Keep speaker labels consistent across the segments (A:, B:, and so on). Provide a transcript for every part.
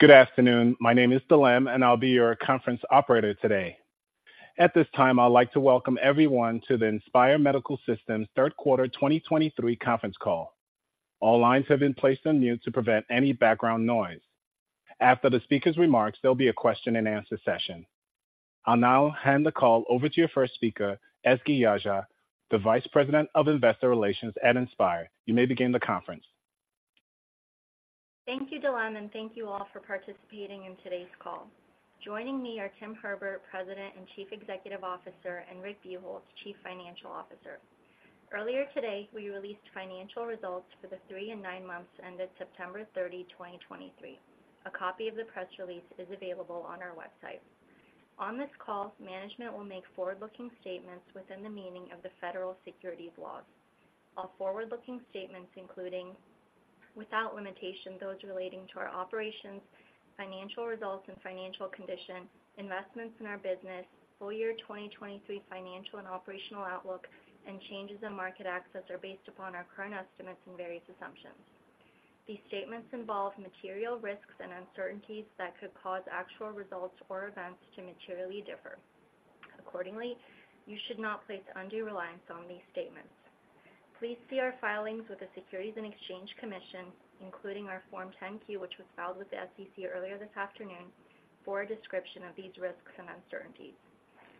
A: Good afternoon. My name is Delam, and I'll be your conference operator today. At this time, I'd like to welcome everyone to the Inspire Medical Systems Third Quarter 2023 Conference Call. All lines have been placed on mute to prevent any background noise. After the speaker's remarks, there'll be a question-and-answer session. I'll now hand the call over to your first speaker, Ezgi Yagci, the Vice President of Investor Relations at Inspire. You may begin the conference.
B: Thank you, Delam, and thank you all for participating in today's call. Joining me are Tim Herbert, President and Chief Executive Officer, and Rick Buchholz, Chief Financial Officer. Earlier today, we released financial results for the three and nine months ended September 30, 2023. A copy of the press release is available on our website. On this call, management will make forward-looking statements within the meaning of the federal securities laws. All forward-looking statements, including, without limitation, those relating to our operations, financial results and financial condition, investments in our business, full year 2023 financial and operational outlook, and changes in market access, are based upon our current estimates and various assumptions. These statements involve material risks and uncertainties that could cause actual results or events to materially differ. Accordingly, you should not place undue reliance on these statements. Please see our filings with the Securities and Exchange Commission, including our Form 10-Q, which was filed with the SEC earlier this afternoon, for a description of these risks and uncertainties.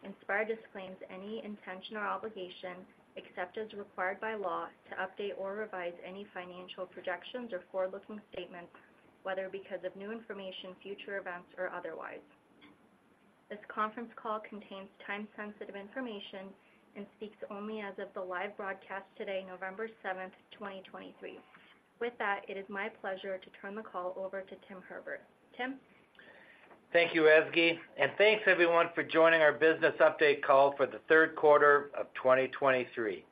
B: Inspire disclaims any intention or obligation, except as required by law, to update or revise any financial projections or forward-looking statements, whether because of new information, future events, or otherwise. This conference call contains time-sensitive information and speaks only as of the live broadcast today, November 7th, 2023. With that, it is my pleasure to turn the call over to Tim Herbert. Tim?
C: Thank you, Ezgi, and thanks everyone for joining our business update call for the third quarter of 2023.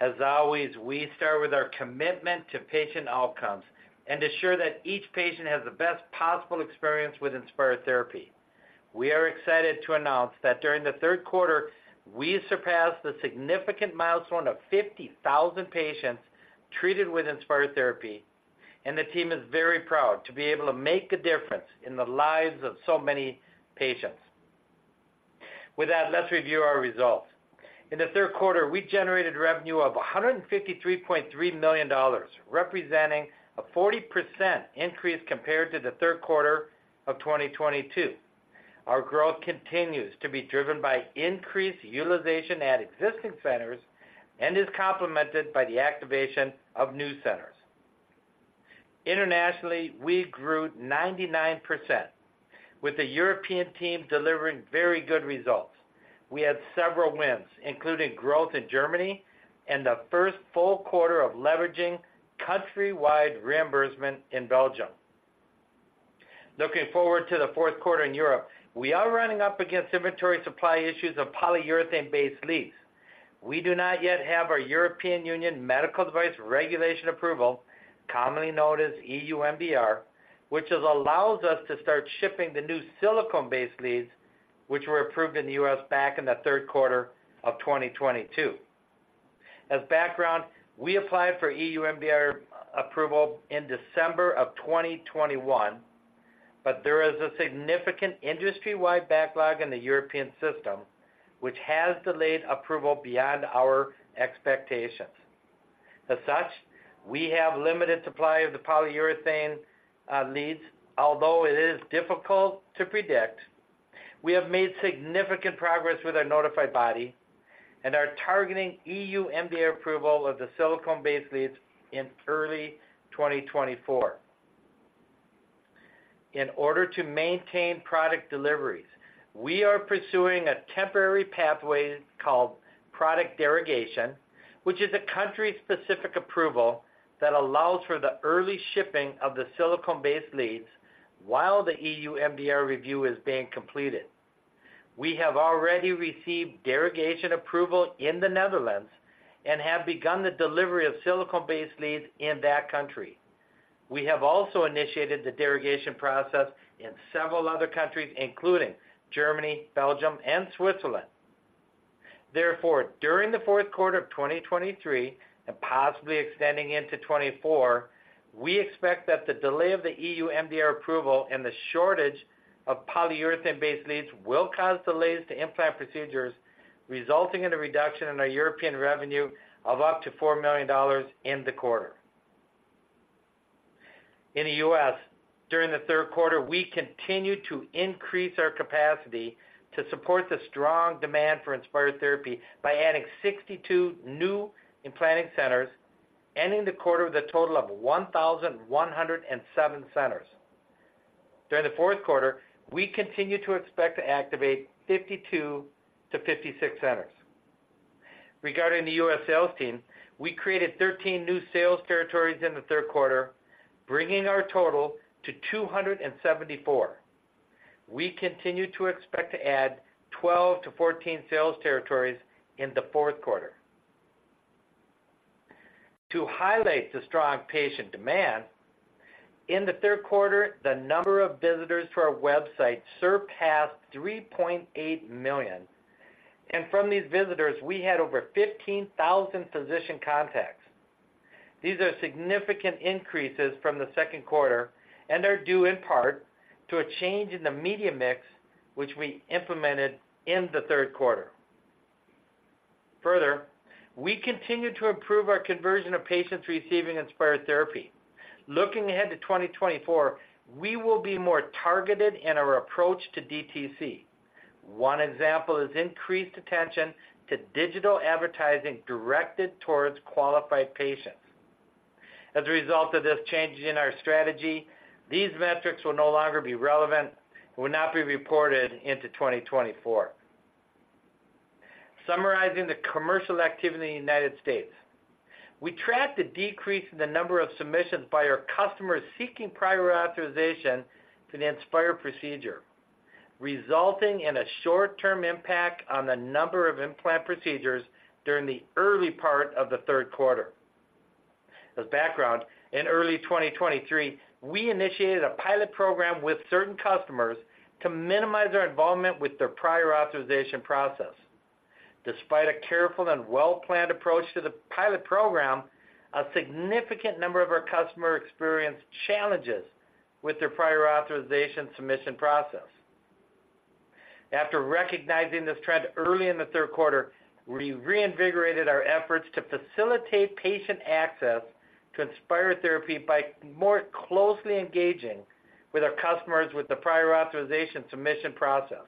C: As always, we start with our commitment to patient outcomes and ensure that each patient has the best possible experience with Inspire therapy. We are excited to announce that during the third quarter, we surpassed the significant milestone of 50,000 patients treated with Inspire therapy, and the team is very proud to be able to make a difference in the lives of so many patients. With that, let's review our results. In the third quarter, we generated revenue of $153.3 million, representing a 40% increase compared to the third quarter of 2022. Our growth continues to be driven by increased utilization at existing centers and is complemented by the activation of new centers. Internationally, we grew 99%, with the European team delivering very good results. We had several wins, including growth in Germany and the first full quarter of leveraging countrywide reimbursement in Belgium. Looking forward to the fourth quarter in Europe, we are running up against inventory supply issues of polyurethane-based leads. We do not yet have our European Union Medical Device Regulation approval, commonly known as EU MDR, which allows us to start shipping the new silicone-based leads, which were approved in the U.S. back in the third quarter of 2022. As background, we applied for EU MDR approval in December of 2021, but there is a significant industry-wide backlog in the European system, which has delayed approval beyond our expectations. As such, we have limited supply of the polyurethane leads. Although it is difficult to predict, we have made significant progress with our notified body and are targeting EU MDR approval of the silicone-based leads in early 2024. In order to maintain product deliveries, we are pursuing a temporary pathway called product derogation, which is a country-specific approval that allows for the early shipping of the silicone-based leads while the EU MDR review is being completed. We have already received derogation approval in the Netherlands and have begun the delivery of silicone-based leads in that country. We have also initiated the derogation process in several other countries, including Germany, Belgium, and Switzerland. Therefore, during the fourth quarter of 2023, and possibly extending into 2024, we expect that the delay of the EU MDR approval and the shortage of polyurethane-based leads will cause delays to implant procedures, resulting in a reduction in our European revenue of up to $4 million in the quarter. In the U.S., during the third quarter, we continued to increase our capacity to support the strong demand for Inspire therapy by adding 62 new implanting centers, ending the quarter with a total of 1,107 centers. During the fourth quarter, we continue to expect to activate 52-56 centers. Regarding the U.S. sales team, we created 13 new sales territories in the third quarter, bringing our total to 274. We continue to expect to add 12-14 sales territories in the fourth quarter. To highlight the strong patient demand, in the third quarter, the number of visitors to our website surpassed 3.8 million. From these visitors, we had over 15,000 physician contacts. These are significant increases from the second quarter and are due in part to a change in the media mix, which we implemented in the third quarter. Further, we continued to improve our conversion of patients receiving Inspire therapy. Looking ahead to 2024, we will be more targeted in our approach to DTC. One example is increased attention to digital advertising directed towards qualified patients. As a result of this change in our strategy, these metrics will no longer be relevant and will not be reported into 2024. Summarizing the commercial activity in the United States. We tracked a decrease in the number of submissions by our customers seeking prior authorization to the Inspire procedure, resulting in a short-term impact on the number of implant procedures during the early part of the third quarter. As background, in early 2023, we initiated a pilot program with certain customers to minimize their involvement with their prior authorization process. Despite a careful and well-planned approach to the pilot program, a significant number of our customers experienced challenges with their prior authorization submission process. After recognizing this trend early in the third quarter, we reinvigorated our efforts to facilitate patient access to Inspire therapy by more closely engaging with our customers with the prior authorization submission process,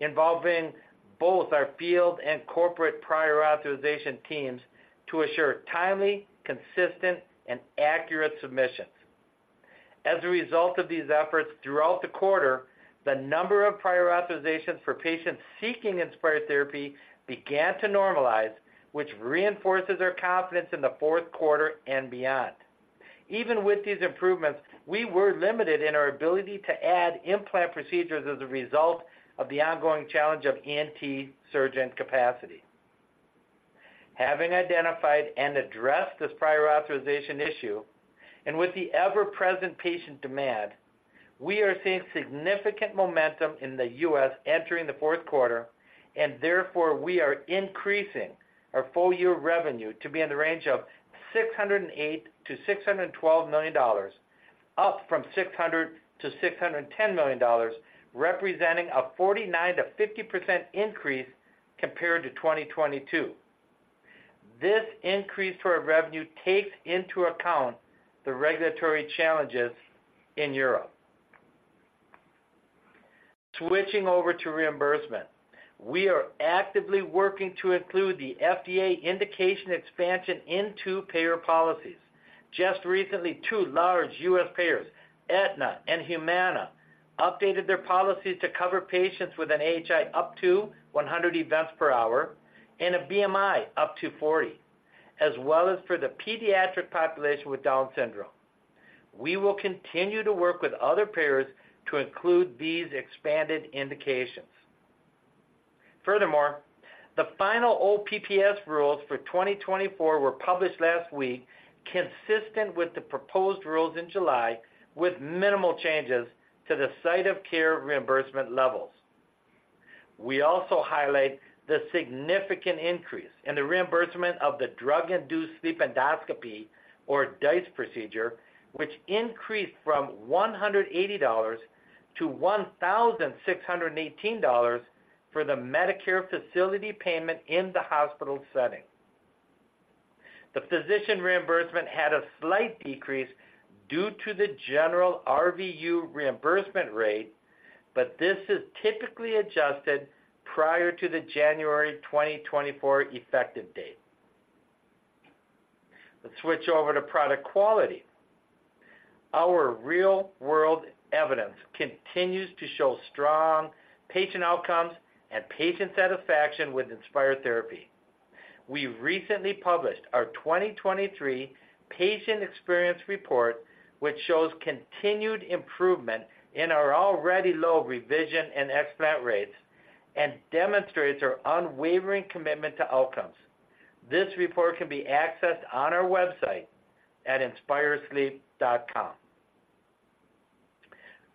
C: involving both our field and corporate prior authorization teams to assure timely, consistent, and accurate submissions. As a result of these efforts throughout the quarter, the number of prior authorizations for patients seeking Inspire therapy began to normalize, which reinforces our confidence in the fourth quarter and beyond. Even with these improvements, we were limited in our ability to add implant procedures as a result of the ongoing challenge of ENT surgeon capacity. Having identified and addressed this prior authorization issue, and with the ever-present patient demand, we are seeing significant momentum in the U.S. entering the fourth quarter, and therefore, we are increasing our full year revenue to be in the range of $608 million-$612 million, up from $600 million-$610 million, representing a 49%-50% increase compared to 2022. This increase to our revenue takes into account the regulatory challenges in Europe. Switching over to reimbursement. We are actively working to include the FDA indication expansion into payer policies. Just recently, two large US payers, Aetna and Humana, updated their policies to cover patients with an AHI up to 100 events per hour and a BMI up to 40, as well as for the pediatric population with Down syndrome. We will continue to work with other payers to include these expanded indications. Furthermore, the final OPPS rules for 2024 were published last week, consistent with the proposed rules in July, with minimal changes to the site of care reimbursement levels. We also highlight the significant increase in the reimbursement of the drug-induced sleep endoscopy, or DISE procedure, which increased from $180 to $1,618 for the Medicare facility payment in the hospital setting. The physician reimbursement had a slight decrease due to the general RVU reimbursement rate, but this is typically adjusted prior to the January 2024 effective date. Let's switch over to product quality. Our real-world evidence continues to show strong patient outcomes and patient satisfaction with Inspire therapy. We recently published our 2023 Patient Experience Report, which shows continued improvement in our already low revision and explant rates and demonstrates our unwavering commitment to outcomes. This report can be accessed on our website at inspiresleep.com.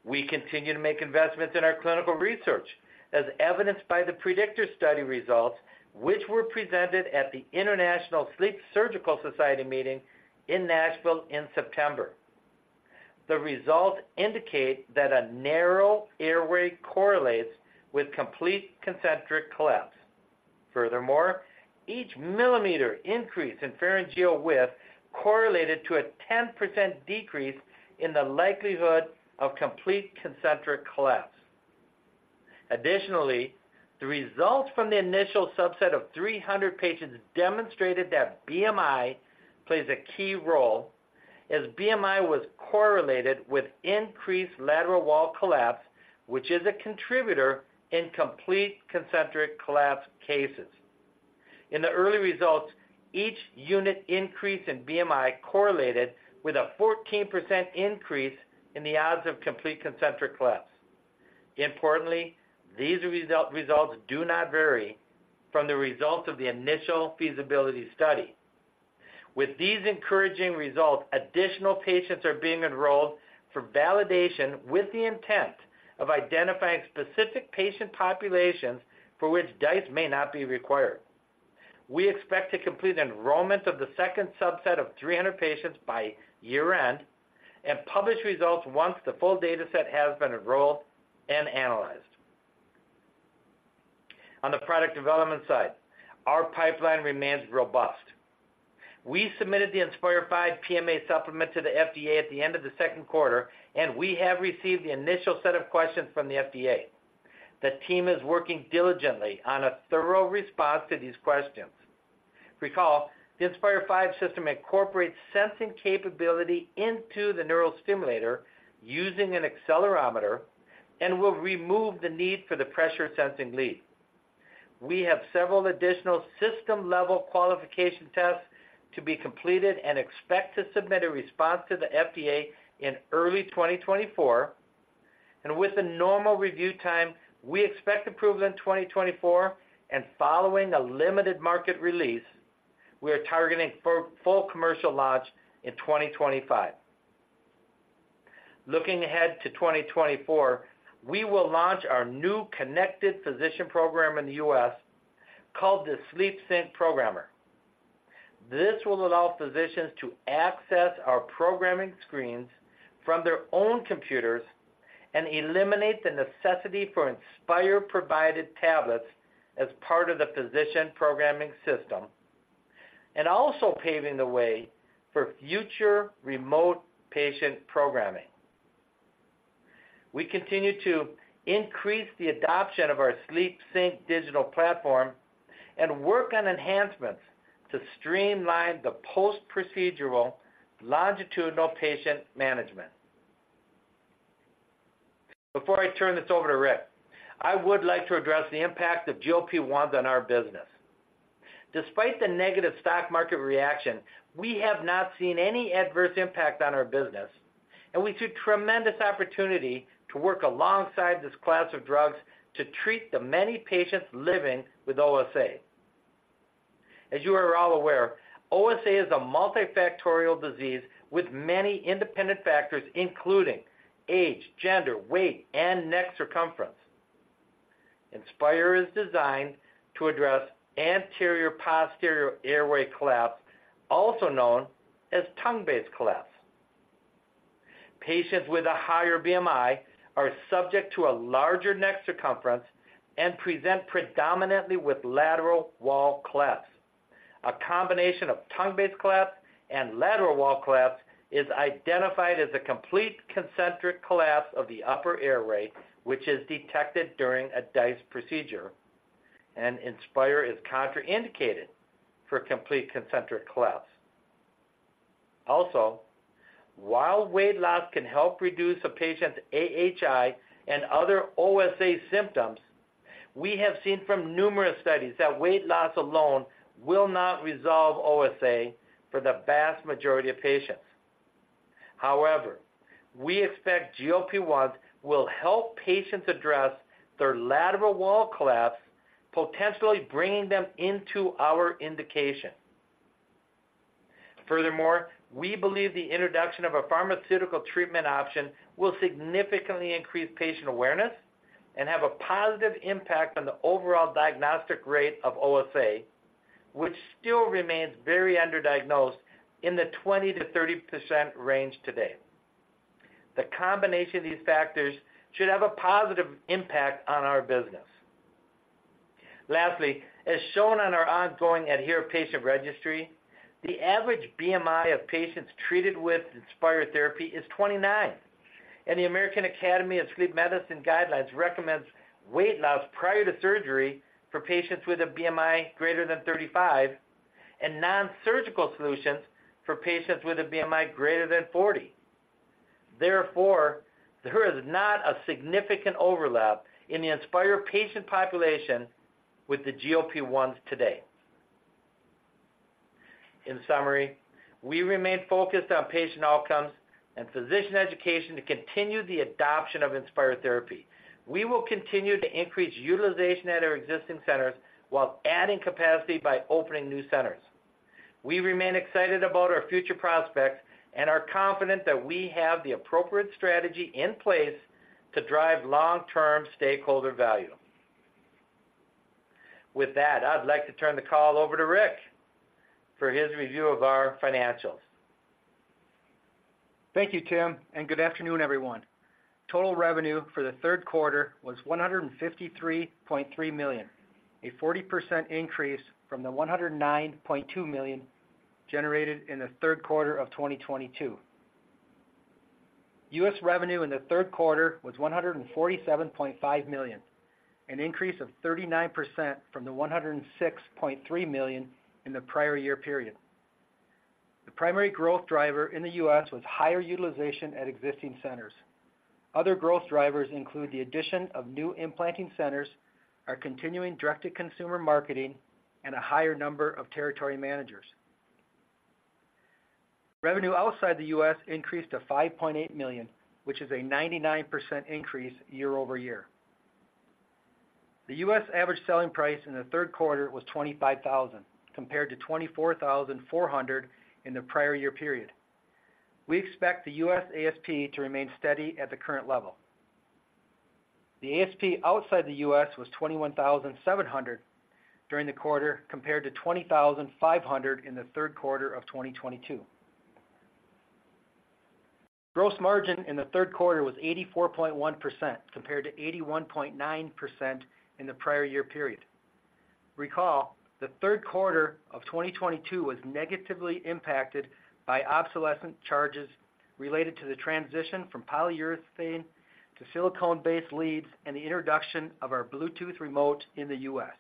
C: We continue to make investments in our clinical research, as evidenced by the PREDICTOR study results, which were presented at the International Sleep Surgical Society meeting in Nashville in September. The results indicate that a narrow airway correlates with complete concentric collapse. Furthermore, each millimeter increase in pharyngeal width correlated to a 10% decrease in the likelihood of complete concentric collapse. Additionally, the results from the initial subset of 300 patients demonstrated that BMI plays a key role, as BMI was correlated with increased lateral wall collapse, which is a contributor in complete concentric collapse cases. In the early results, each unit increase in BMI correlated with a 14% increase in the odds of complete concentric collapse. Importantly, these results do not vary from the results of the initial feasibility study. With these encouraging results, additional patients are being enrolled for validation, with the intent of identifying specific patient populations for which DISE may not be required. We expect to complete enrollment of the second subset of 300 patients by year-end, and publish results once the full data set has been enrolled and analyzed. On the product development side, our pipeline remains robust. We submitted the Inspire V PMA supplement to the FDA at the end of the second quarter, and we have received the initial set of questions from the FDA. The team is working diligently on a thorough response to these questions. Recall, the Inspire V system incorporates sensing capability into the neural stimulator using an accelerometer, and will remove the need for the pressure-sensing lead. We have several additional system-level qualification tests to be completed and expect to submit a response to the FDA in early 2024. And with the normal review time, we expect approval in 2024, and following a limited market release, we are targeting for full commercial launch in 2025. Looking ahead to 2024, we will launch our new connected physician program in the U.S., called the SleepSync Programmer. This will allow physicians to access our programming screens from their own computers and eliminate the necessity for Inspire-provided tablets as part of the physician programming system, and also paving the way for future remote patient programming. We continue to increase the adoption of our SleepSync digital platform and work on enhancements to streamline the post-procedural, longitudinal patient management. Before I turn this over to Rick, I would like to address the impact of GLP-1s on our business. Despite the negative stock market reaction, we have not seen any adverse impact on our business, and we see tremendous opportunity to work alongside this class of drugs to treat the many patients living with OSA. As you are all aware, OSA is a multifactorial disease with many independent factors, including age, gender, weight, and neck circumference. Inspire is designed to address anterior-posterior airway collapse, also known as tongue-based collapse. Patients with a higher BMI are subject to a larger neck circumference and present predominantly with lateral wall collapse. A combination of tongue-based collapse and lateral wall collapse is identified as a complete concentric collapse of the upper airway, which is detected during a DISE procedure, and Inspire is contraindicated for complete concentric collapse. Also, while weight loss can help reduce a patient's AHI and other OSA symptoms, we have seen from numerous studies that weight loss alone will not resolve OSA for the vast majority of patients. However, we expect GLP-1s will help patients address their lateral wall collapse, potentially bringing them into our indication. Furthermore, we believe the introduction of a pharmaceutical treatment option will significantly increase patient awareness and have a positive impact on the overall diagnostic rate of OSA, which still remains very underdiagnosed in the 20-30% range today. The combination of these factors should have a positive impact on our business. Lastly, as shown on our ongoing ADHERE patient registry, the average BMI of patients treated with Inspire therapy is 29, and the American Academy of Sleep Medicine guidelines recommends weight loss prior to surgery for patients with a BMI greater than 35, and nonsurgical solutions for patients with a BMI greater than 40. Therefore, there is not a significant overlap in the Inspire patient population with the GLP-1s today. In summary, we remain focused on patient outcomes and physician education to continue the adoption of Inspire therapy. We will continue to increase utilization at our existing centers while adding capacity by opening new centers. We remain excited about our future prospects and are confident that we have the appropriate strategy in place to drive long-term stakeholder value. With that, I'd like to turn the call over to Rick for his review of our financials.
D: Thank you, Tim, and good afternoon, everyone. Total revenue for the third quarter was $153.3 million, a 40% increase from the $109.2 million generated in the third quarter of 2022. U.S. revenue in the third quarter was $147.5 million, an increase of 39% from the $106.3 million in the prior year period. The primary growth driver in the U.S. was higher utilization at existing centers. Other growth drivers include the addition of new implanting centers, our continuing direct-to-consumer marketing, and a higher number of territory managers. Revenue outside the U.S. increased to $5.8 million, which is a 99% increase year over year.... The US average selling price in the third quarter was $25,000, compared to $24,400 in the prior year period. We expect the USASP to remain steady at the current level. The ASP outside the US was $21,700 during the quarter, compared to $20,500 in the third quarter of 2022. Gross margin in the third quarter was 84.1%, compared to 81.9% in the prior year period. Recall, the third quarter of 2022 was negatively impacted by obsolescent charges related to the transition from polyurethane to silicone-based leads and the introduction of our Bluetooth remote in the US.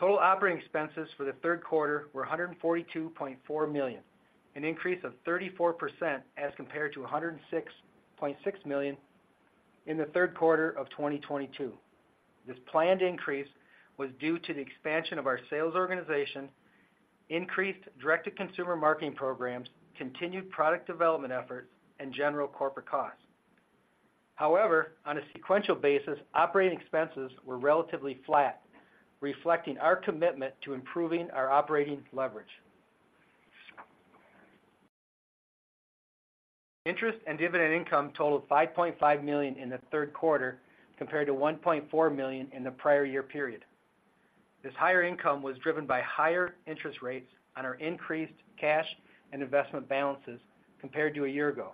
D: Total operating expenses for the third quarter were $142.4 million, an increase of 34% as compared to $106.6 million in the third quarter of 2022. This planned increase was due to the expansion of our sales organization, increased direct-to-consumer marketing programs, continued product development efforts, and general corporate costs. However, on a sequential basis, operating expenses were relatively flat, reflecting our commitment to improving our operating leverage. Interest and dividend income totaled $5.5 million in the third quarter, compared to $1.4 million in the prior year period. This higher income was driven by higher interest rates on our increased cash and investment balances compared to a year ago.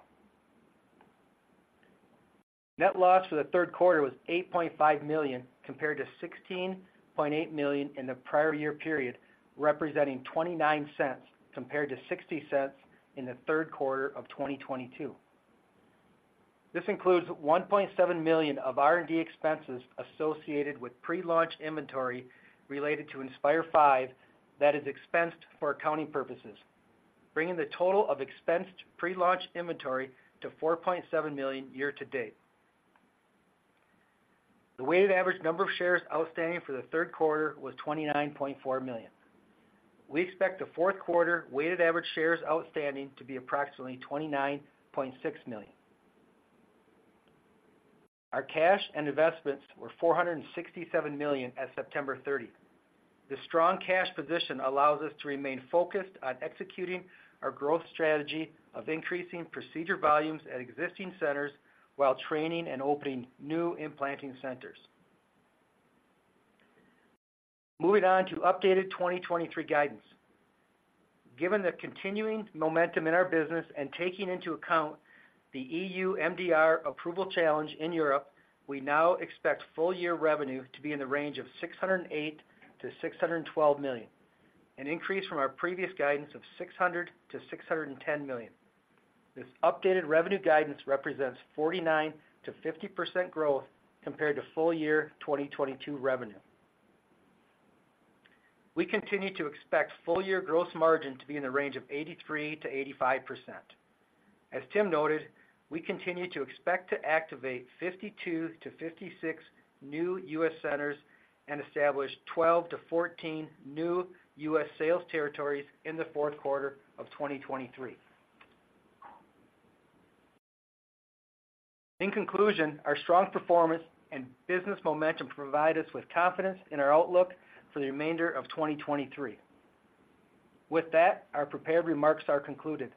D: Net loss for the third quarter was $8.5 million, compared to $16.8 million in the prior year period, representing $0.29 compared to $0.60 in the third quarter of 2022. This includes $1.7 million of R&D expenses associated with pre-launch inventory related to Inspire V that is expensed for accounting purposes, bringing the total of expensed pre-launch inventory to $4.7 million year to date. The weighted average number of shares outstanding for the third quarter was 29.4 million. We expect the fourth quarter weighted average shares outstanding to be approximately 29.6 million. Our cash and investments were $467 million at September 30. This strong cash position allows us to remain focused on executing our growth strategy of increasing procedure volumes at existing centers while training and opening new implanting centers. Moving on to updated 2023 guidance. Given the continuing momentum in our business and taking into account the EU MDR approval challenge in Europe, we now expect full year revenue to be in the range of $608 million-$612 million, an increase from our previous guidance of $600 million-$610 million. This updated revenue guidance represents 49%-50% growth compared to full year 2022 revenue. We continue to expect full year gross margin to be in the range of 83%-85%. As Tim noted, we continue to expect to activate 52-56 new U.S. centers and establish 12-14 new U.S. sales territories in the fourth quarter of 2023. In conclusion, our strong performance and business momentum provide us with confidence in our outlook for the remainder of 2023. With that, our prepared remarks are concluded.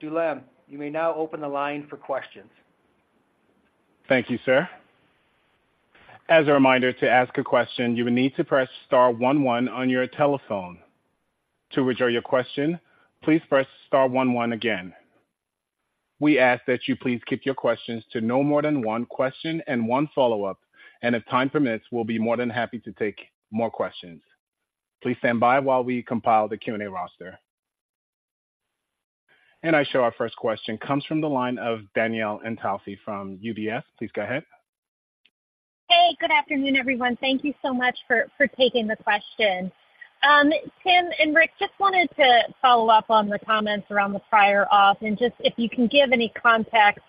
D: Delam, you may now open the line for questions.
A: Thank you, sir. As a reminder, to ask a question, you will need to press star one one on your telephone. To withdraw your question, please press star one one again. We ask that you please keep your questions to no more than one question and one follow-up, and if time permits, we'll be more than happy to take more questions. Please stand by while we compile the Q&A roster. And I show our first question comes from the line of Danielle Antalffy from UBS. Please go ahead.
E: Hey, good afternoon, everyone. Thank you so much for taking the question. Tim and Rick, just wanted to follow up on the comments around the prior auth, and just if you can give any context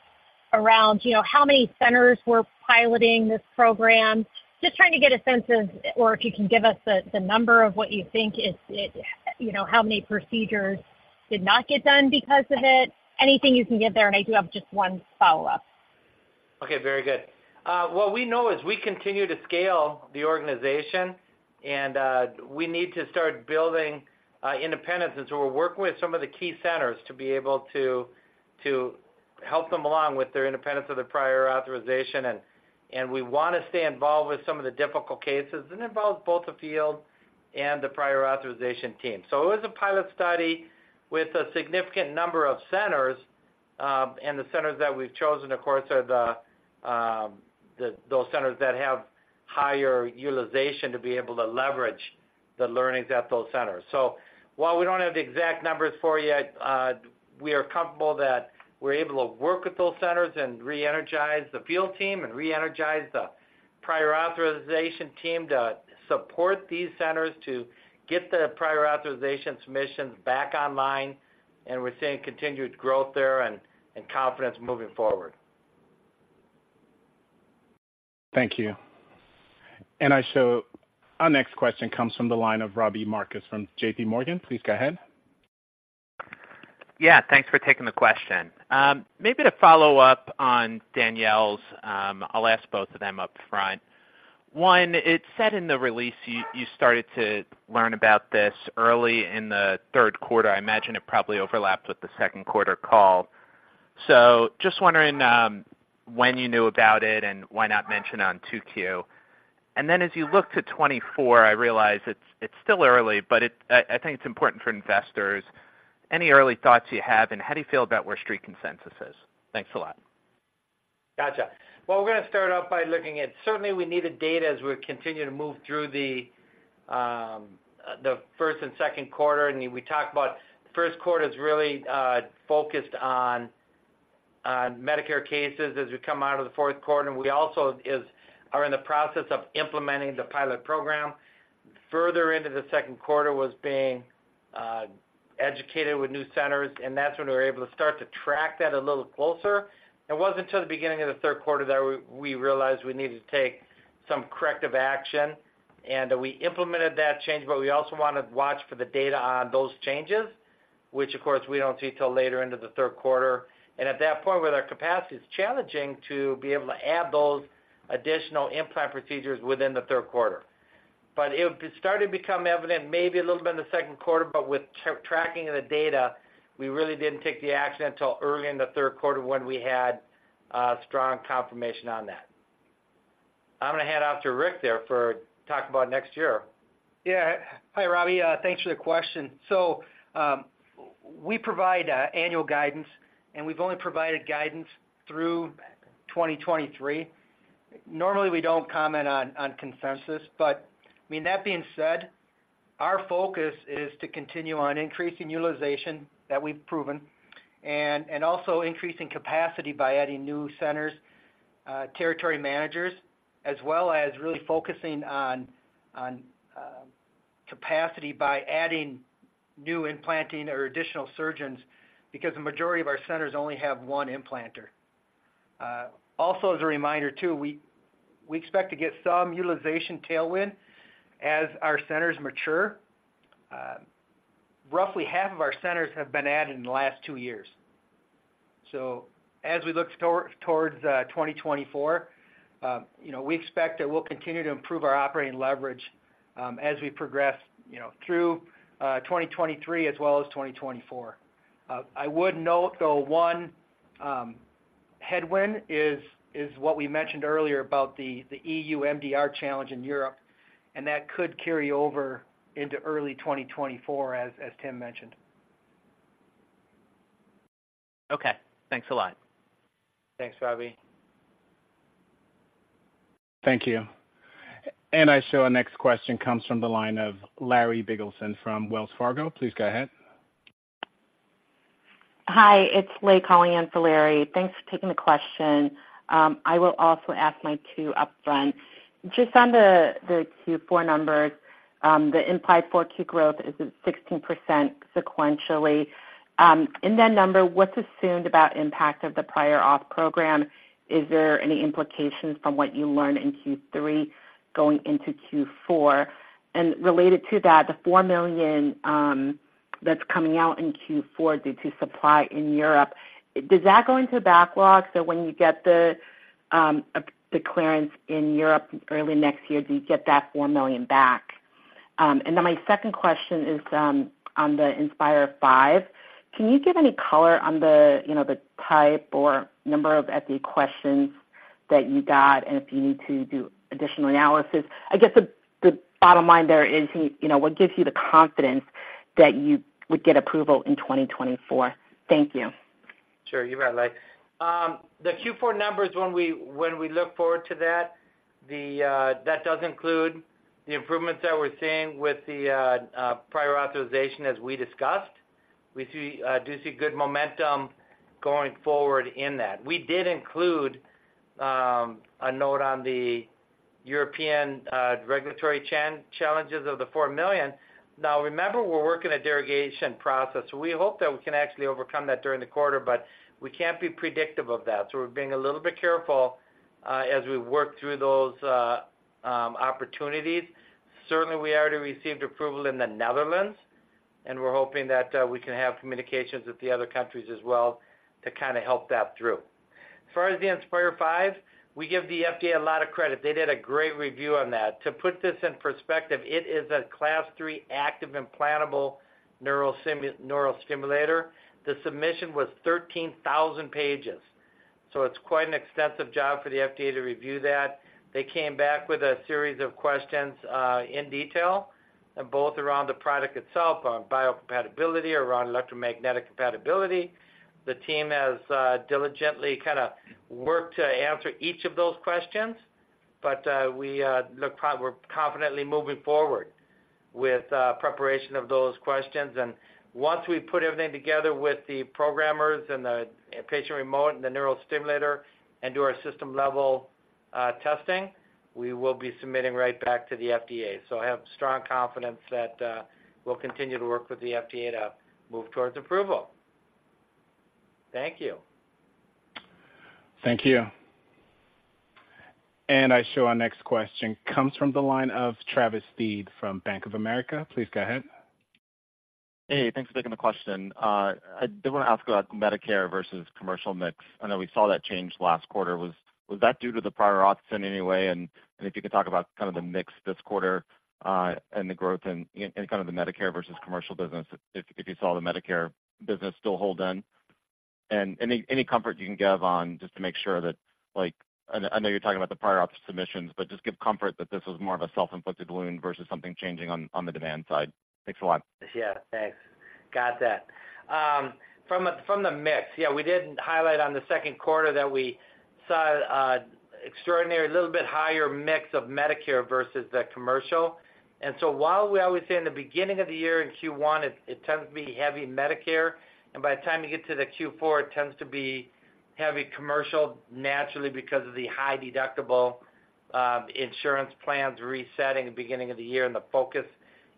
E: around, you know, how many centers were piloting this program. Just trying to get a sense of, or if you can give us the number of what you think is it, you know, how many procedures did not get done because of it? Anything you can give there, and I do have just one follow-up.
D: Okay, very good. What we know is we continue to scale the organization and, we need to start building independence. And so we're working with some of the key centers to be able to help them along with their independence of the prior authorization. And we wanna stay involved with some of the difficult cases, and involves both the field and the prior authorization team. So it was a pilot study with a significant number of centers, and the centers that we've chosen, of course, are the, the those centers that have higher utilization to be able to leverage the learnings at those centers. So while we don't have the exact numbers for you yet, we are comfortable that we're able to work with those centers and re-energize the field team, and re-energize the prior authorization team to support these centers to get the prior authorization submissions back online. And we're seeing continued growth there and confidence moving forward.
A: Thank you. I show our next question comes from the line of Robbie Marcus from JP Morgan. Please go ahead....
F: Yeah, thanks for taking the question. Maybe to follow up on Danielle's, I'll ask both of them up front. One, it said in the release you, you started to learn about this early in the third quarter. I imagine it probably overlapped with the second quarter call. So just wondering, when you knew about it and why not mention on 2Q? And then as you look to 2024, I realize it's, it's still early, but it, I, I think it's important for investors. Any early thoughts you have, and how do you feel about where Street Consensus is? Thanks a lot.
C: Gotcha. Well, we're gonna start off by looking at certainly we needed data as we continue to move through the, the first and second quarter. We talked about first quarter is really focused on Medicare cases as we come out of the fourth quarter. We also are in the process of implementing the pilot program. Further into the second quarter was being educated with new centers, and that's when we were able to start to track that a little closer. It wasn't until the beginning of the third quarter that we realized we needed to take some corrective action, and we implemented that change, but we also wanted to watch for the data on those changes, which, of course, we don't see till later into the third quarter. At that point, with our capacity, it's challenging to be able to add those additional implant procedures within the third quarter. But it started to become evident, maybe a little bit in the second quarter, but with tracking the data, we really didn't take the action until early in the third quarter when we had strong confirmation on that. I'm going to hand off to Rick there for talk about next year.
D: Yeah. Hi, Robbie. Thanks for the question. So, we provide annual guidance, and we've only provided guidance through 2023. Normally, we don't comment on consensus, but I mean, that being said, our focus is to continue on increasing utilization that we've proven, and also increasing capacity by adding new centers, territory managers, as well as really focusing on capacity by adding new implanting or additional surgeons, because the majority of our centers only have one implanter. Also, as a reminder, too, we expect to get some utilization tailwind as our centers mature. Roughly half of our centers have been added in the last two years. So as we look towards 2024, you know, we expect that we'll continue to improve our operating leverage, as we progress, you know, through 2023 as well as 2024. I would note, though, one headwind is what we mentioned earlier about the EU MDR challenge in Europe, and that could carry over into early 2024, as Tim mentioned.
F: Okay, thanks a lot.
C: Thanks, Robbie.
A: Thank you. And I show our next question comes from the line of Larry Biegelsen from Wells Fargo. Please go ahead.
G: Hi, it's Lei calling in for Larry. Thanks for taking the question. I will also ask my two upfront. Just on the Q4 numbers, the implied Q4 growth is at 16% sequentially. In that number, what's assumed about impact of the prior auth program? Is there any implications from what you learned in Q3 going into Q4? And related to that, the $4 million that's coming out in Q4 due to supply in Europe, does that go into backlog? So when you get the clearance in Europe early next year, do you get that $4 million back? And then my second question is on the Inspire V. Can you give any color on the, you know, the type or number of FDA questions that you got, and if you need to do additional analysis? I guess the bottom line there is, you know, what gives you the confidence that you would get approval in 2024? Thank you.
C: Sure. You bet, Lei. The Q4 numbers, when we look forward to that, that does include the improvements that we're seeing with the prior authorization, as we discussed. We see good momentum going forward in that. We did include a note on the European regulatory challenges of the $4 million. Now, remember, we're working a derogation process, so we hope that we can actually overcome that during the quarter, but we can't be predictive of that. So we're being a little bit careful as we work through those opportunities. Certainly, we already received approval in the Netherlands, and we're hoping that we can have communications with the other countries as well to kinda help that through. As far as the Inspire V, we give the FDA a lot of credit. They did a great review on that. To put this in perspective, it is a Class III active implantable neural stimulator. The submission was 13,000 pages, so it's quite an extensive job for the FDA to review that. They came back with a series of questions in detail, and both around the product itself, on biocompatibility, around electromagnetic compatibility. The team has diligently kinda worked to answer each of those questions, but we're confidently moving forward with preparation of those questions. And once we put everything together with the programmers and the patient remote and the neural stimulator into our system-level testing, we will be submitting right back to the FDA. So I have strong confidence that we'll continue to work with the FDA to move toward approval. Thank you.
A: Thank you. And I show our next question comes from the line of Travis Steed from Bank of America. Please go ahead.
H: Hey, thanks for taking the question. I did want to ask about Medicare versus commercial mix. I know we saw that change last quarter. Was that due to the prior auth in any way? And if you could talk about kind of the mix this quarter, and the growth in kind of the Medicare versus commercial business, if you saw the Medicare business still hold in. And any comfort you can give on, just to make sure that, like, I know you're talking about the prior auth submissions, but just give comfort that this was more of a self-inflicted wound versus something changing on the demand side. Thanks a lot.
C: Yeah, thanks. Got that. From the mix, yeah, we did highlight on the second quarter that we saw extraordinary little bit higher mix of Medicare versus the commercial. And so while we always say in the beginning of the year in Q1, it tends to be heavy Medicare, and by the time you get to the Q4, it tends to be heavy commercial, naturally, because of the high deductible insurance plans resetting at the beginning of the year, and the focus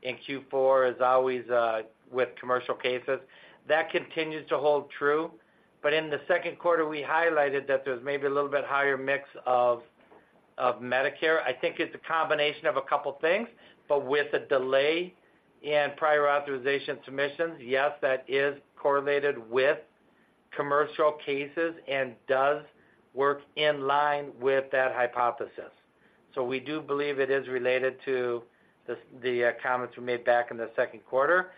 C: in Q4 is always with commercial cases. That continues to hold true. But in the second quarter, we highlighted that there's maybe a little bit higher mix of Medicare. I think it's a combination of a couple things, but with a delay in prior authorization submissions, yes, that is correlated with commercial cases and does work in line with that hypothesis. So we do believe it is related to the comments we made back in the second quarter.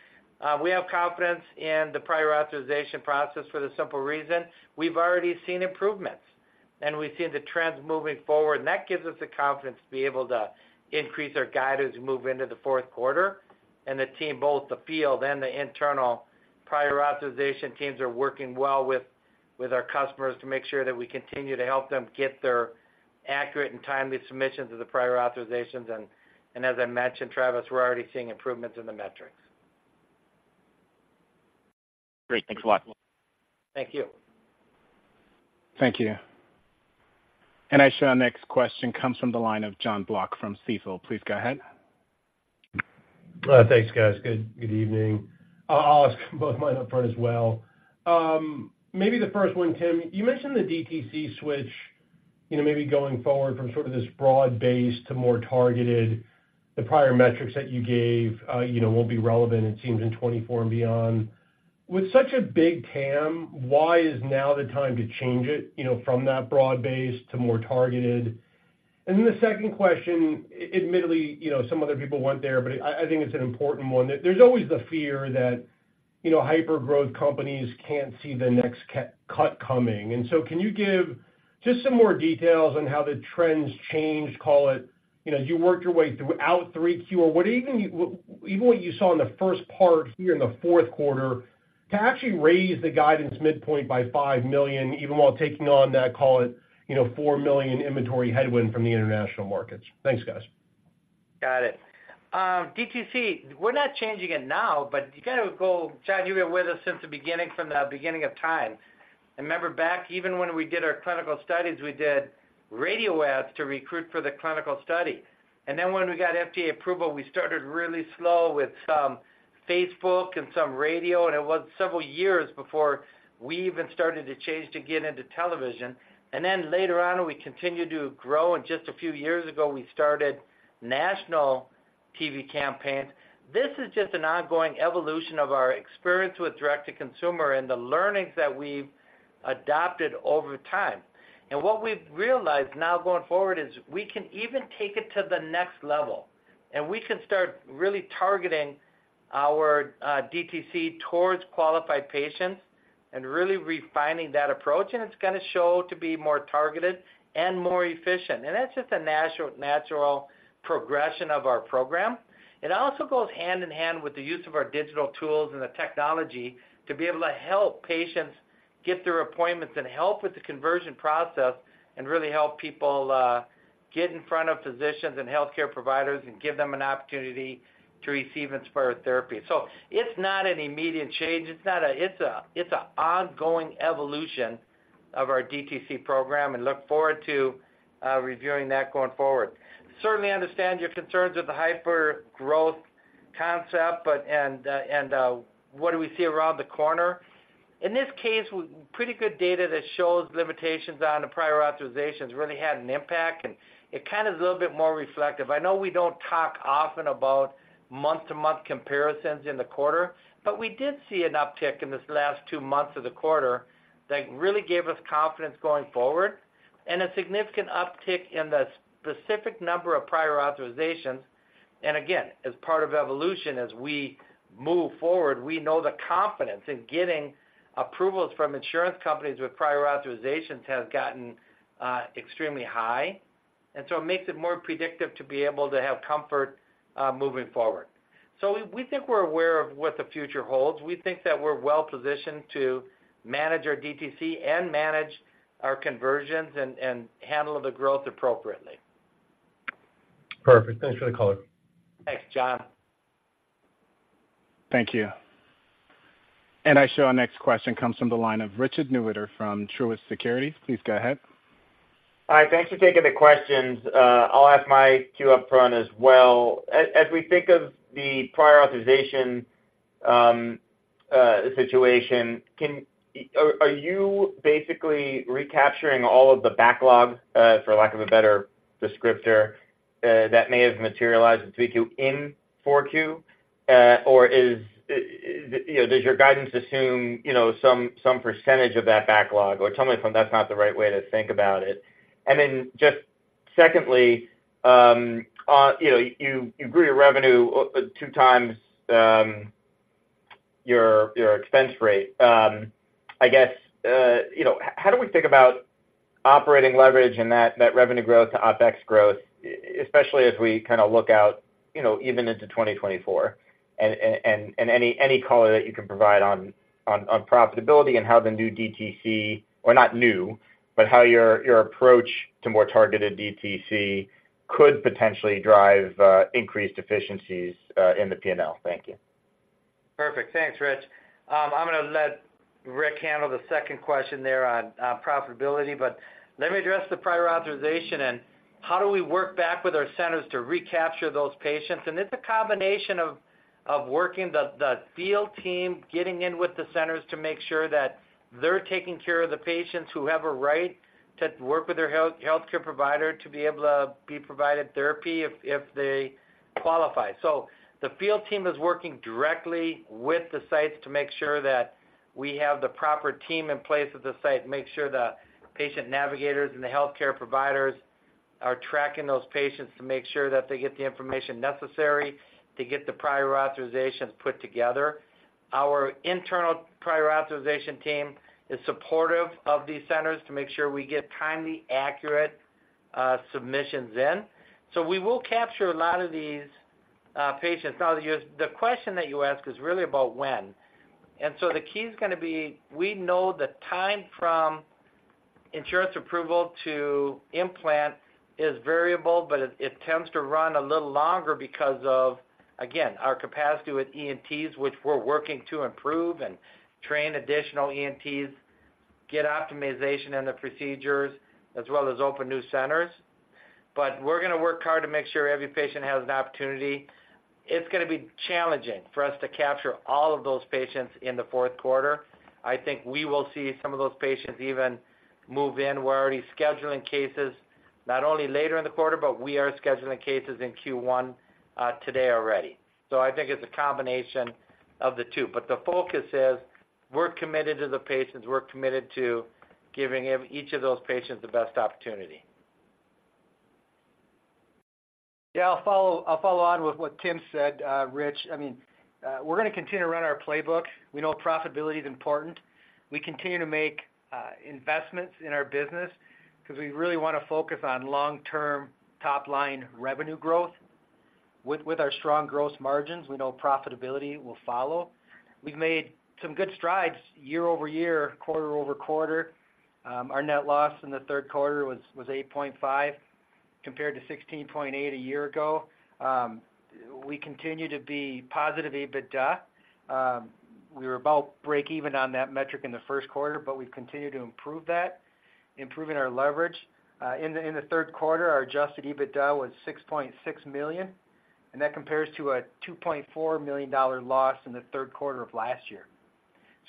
C: We have confidence in the prior authorization process for the simple reason. We've already seen improvements, and we've seen the trends moving forward, and that gives us the confidence to be able to increase our guidance as we move into the fourth quarter. And the team, both the field and the internal prior authorization teams, are working well with our customers to make sure that we continue to help them get their accurate and timely submissions of the prior authorizations. And as I mentioned, Travis, we're already seeing improvements in the metrics.
H: Great. Thanks a lot.
C: Thank you.
A: Thank you. And I show our next question comes from the line of John Block from Stifel. Please go ahead.
I: Thanks, guys. Good evening. I'll ask both my upfront as well. Maybe the first one, Tim, you mentioned the DTC switch, you know, maybe going forward from sort of this broad base to more targeted, the prior metrics that you gave, you know, won't be relevant, it seems, in 2024 and beyond. With such a big TAM, why is now the time to change it, you know, from that broad base to more targeted? And then the second question, admittedly, you know, some other people went there, but I, I think it's an important one. There's always the fear that, you know, hyper-growth companies can't see the next cut coming. So can you give just some more details on how the trends changed, call it, you know, as you worked your way throughout 3Q or even what you saw in the first part here in the fourth quarter, to actually raise the guidance midpoint by $5 million, even while taking on that, call it, you know, $4 million inventory headwind from the international markets? Thanks, guys.
C: Got it. DTC, we're not changing it now, but you got to go... John, you've been with us since the beginning, from the beginning of time. Remember back, even when we did our clinical studies, we did radio ads to recruit for the clinical study. Then when we got FDA approval, we started really slow with some Facebook and some radio, and it was several years before we even started to change to get into television. Then later on, we continued to grow, and just a few years ago, we started national TV campaigns. This is just an ongoing evolution of our experience with direct-to-consumer and the learnings that we've adopted over time. What we've realized now going forward is we can even take it to the next level, and we can start really targeting our DTC towards qualified patients and really refining that approach, and it's going to show to be more targeted and more efficient. That's just a natural, natural progression of our program. It also goes hand in hand with the use of our digital tools and the technology to be able to help patients get their appointments and help with the conversion process and really help people get in front of physicians and healthcare providers and give them an opportunity to receive Inspire therapy. It's not an immediate change. It's an ongoing evolution of our DTC program, and look forward to reviewing that going forward. Certainly understand your concerns with the hyper-growth concept, but what do we see around the corner. In this case, we pretty good data that shows limitations on the prior authorizations really had an impact, and it kind of is a little bit more reflective. I know we don't talk often about month-to-month comparisons in the quarter, but we did see an uptick in this last two months of the quarter that really gave us confidence going forward and a significant uptick in the specific number of prior authorizations. And again, as part of evolution, as we move forward, we know the confidence in getting approvals from insurance companies with prior authorizations has gotten extremely high, and so it makes it more predictive to be able to have comfort moving forward. So we think we're aware of what the future holds. We think that we're well-positioned to manage our DTC and manage our conversions and handle the growth appropriately.
I: Perfect. Thanks for the color.
C: Thanks, John.
A: Thank you. I show our next question comes from the line of Richard Newitter from Truist Securities. Please go ahead.
J: Hi, thanks for taking the questions. I'll ask my Q up front as well. As we think of the prior authorization situation, are you basically recapturing all of the backlog, for lack of a better descriptor, that may have materialized in 3Q in 4Q? Or is, you know, does your guidance assume, you know, some percentage of that backlog? Or tell me if that's not the right way to think about it. And then just secondly, you know, you grew your revenue 2x your expense rate. I guess, you know, how do we think about operating leverage and that revenue growth to OpEx growth, especially as we kind of look out, you know, even into 2024, and any color that you can provide on profitability and how the new DTC... Or not new, but how your approach to more targeted DTC could potentially drive increased efficiencies in the P&L. Thank you.
C: Perfect. Thanks, Rich. I'm gonna let Rick handle the second question there on profitability, but let me address the prior authorization and how do we work back with our centers to recapture those patients? It's a combination of working the field team, getting in with the centers to make sure that they're taking care of the patients who have a right to work with their healthcare provider to be able to be provided therapy if they qualify. So the field team is working directly with the sites to make sure that we have the proper team in place at the site, make sure the patient navigators and the healthcare providers are tracking those patients to make sure that they get the information necessary to get the prior authorizations put together. Our internal prior authorization team is supportive of these centers to make sure we get timely, accurate, submissions in. So we will capture a lot of these patients. Now, the question that you ask is really about when. And so the key is gonna be, we know the time from insurance approval to implant is variable, but it, it tends to run a little longer because of, again, our capacity with ENTs, which we're working to improve and train additional ENTs, get optimization in the procedures, as well as open new centers. But we're gonna work hard to make sure every patient has an opportunity. It's gonna be challenging for us to capture all of those patients in the fourth quarter. I think we will see some of those patients even move in. We're already scheduling cases, not only later in the quarter, but we are scheduling cases in Q1, today already. So I think it's a combination of the two. But the focus is we're committed to the patients, we're committed to giving each of those patients the best opportunity.
D: Yeah, I'll follow, I'll follow on with what Tim said, Rich. I mean, we're gonna continue to run our playbook. We know profitability is important. We continue to make investments in our business because we really want to focus on long-term top-line revenue growth. With our strong gross margins, we know profitability will follow. We've made some good strides year-over-year, quarter-over-quarter. Our net loss in the third quarter was $8.5, compared to $16.8 a year ago. We continue to be positive EBITDA. We were about break-even on that metric in the first quarter, but we've continued to improve that, improving our leverage. In the third quarter, our adjusted EBITDA was $6.6 million, and that compares to a $2.4 million loss in the third quarter of last year.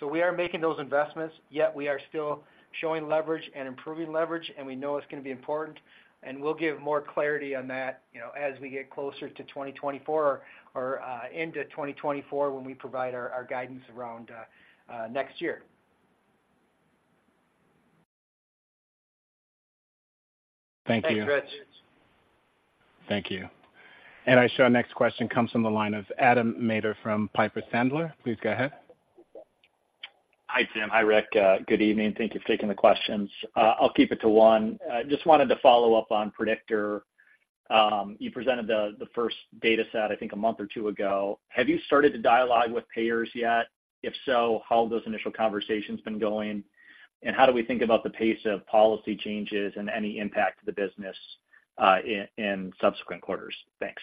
D: So we are making those investments, yet we are still showing leverage and improving leverage, and we know it's gonna be important, and we'll give more clarity on that, you know, as we get closer to 2024 or into 2024, when we provide our guidance around next year.
C: Thank you, Rich.
J: Thank you.
A: Thank you. Our next question comes from the line of Adam Maeder from Piper Sandler. Please go ahead.
K: Hi, Tim. Hi, Rick. Good evening. Thank you for taking the questions. I'll keep it to one. I just wanted to follow up on PREDICTOR. You presented the first data set, I think, a month or two ago. Have you started to dialogue with payers yet? If so, how have those initial conversations been going? And how do we think about the pace of policy changes and any impact to the business in subsequent quarters? Thanks.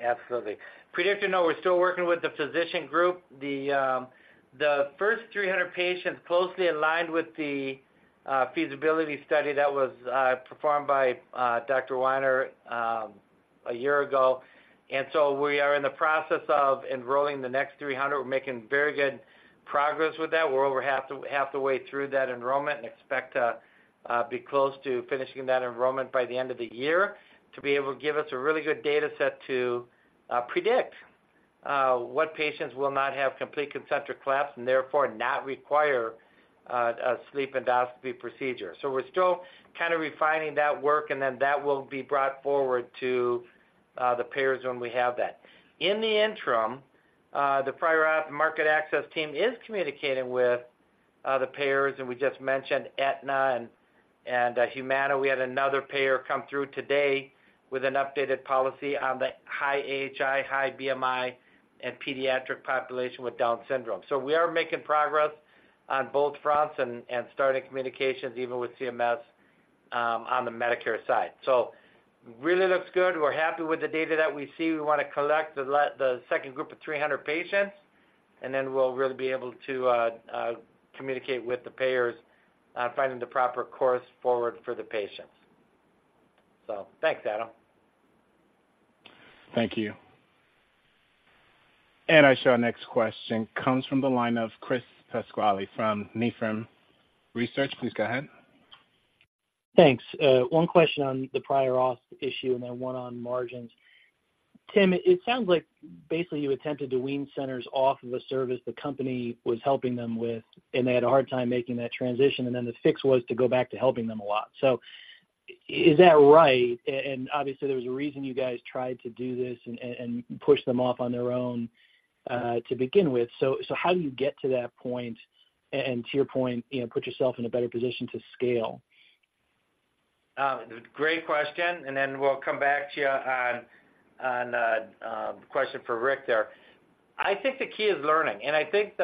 C: Absolutely. PREDICTOR, no, we're still working with the physician group. The first 300 patients closely aligned with the feasibility study that was performed by Dr. Weiner a year ago. And so we are in the process of enrolling the next 300. We're making very good progress with that. We're over half the way through that enrollment and expect to be close to finishing that enrollment by the end of the year to be able to give us a really good data set to predict what patients will not have complete concentric collapse and therefore not require a sleep endoscopy procedure. So we're still kind of refining that work, and then that will be brought forward to the payers when we have that. In the interim, the prior market access team is communicating with the payers, and we just mentioned Aetna and Humana. We had another payer come through today with an updated policy on the high AHI, high BMI, and pediatric population with Down syndrome. So we are making progress on both fronts and starting communications, even with CMS, on the Medicare side. So really looks good. We're happy with the data that we see. We want to collect the second group of 300 patients, and then we'll really be able to communicate with the payers on finding the proper course forward for the patients. So thanks, Adam.
K: Thank you.
A: I show our next question comes from the line of Chris Pasquale from Nephron Research. Please go ahead.
L: Thanks. One question on the prior auth issue and then one on margins. Tim, it sounds like basically you attempted to wean centers off of a service the company was helping them with, and they had a hard time making that transition, and then the fix was to go back to helping them a lot. So is that right? And obviously, there was a reason you guys tried to do this and push them off on their own to begin with. So how do you get to that point and to your point, you know, put yourself in a better position to scale?
C: Great question, and then we'll come back to you on, on, question for Rick there. I think the key is learning, and I think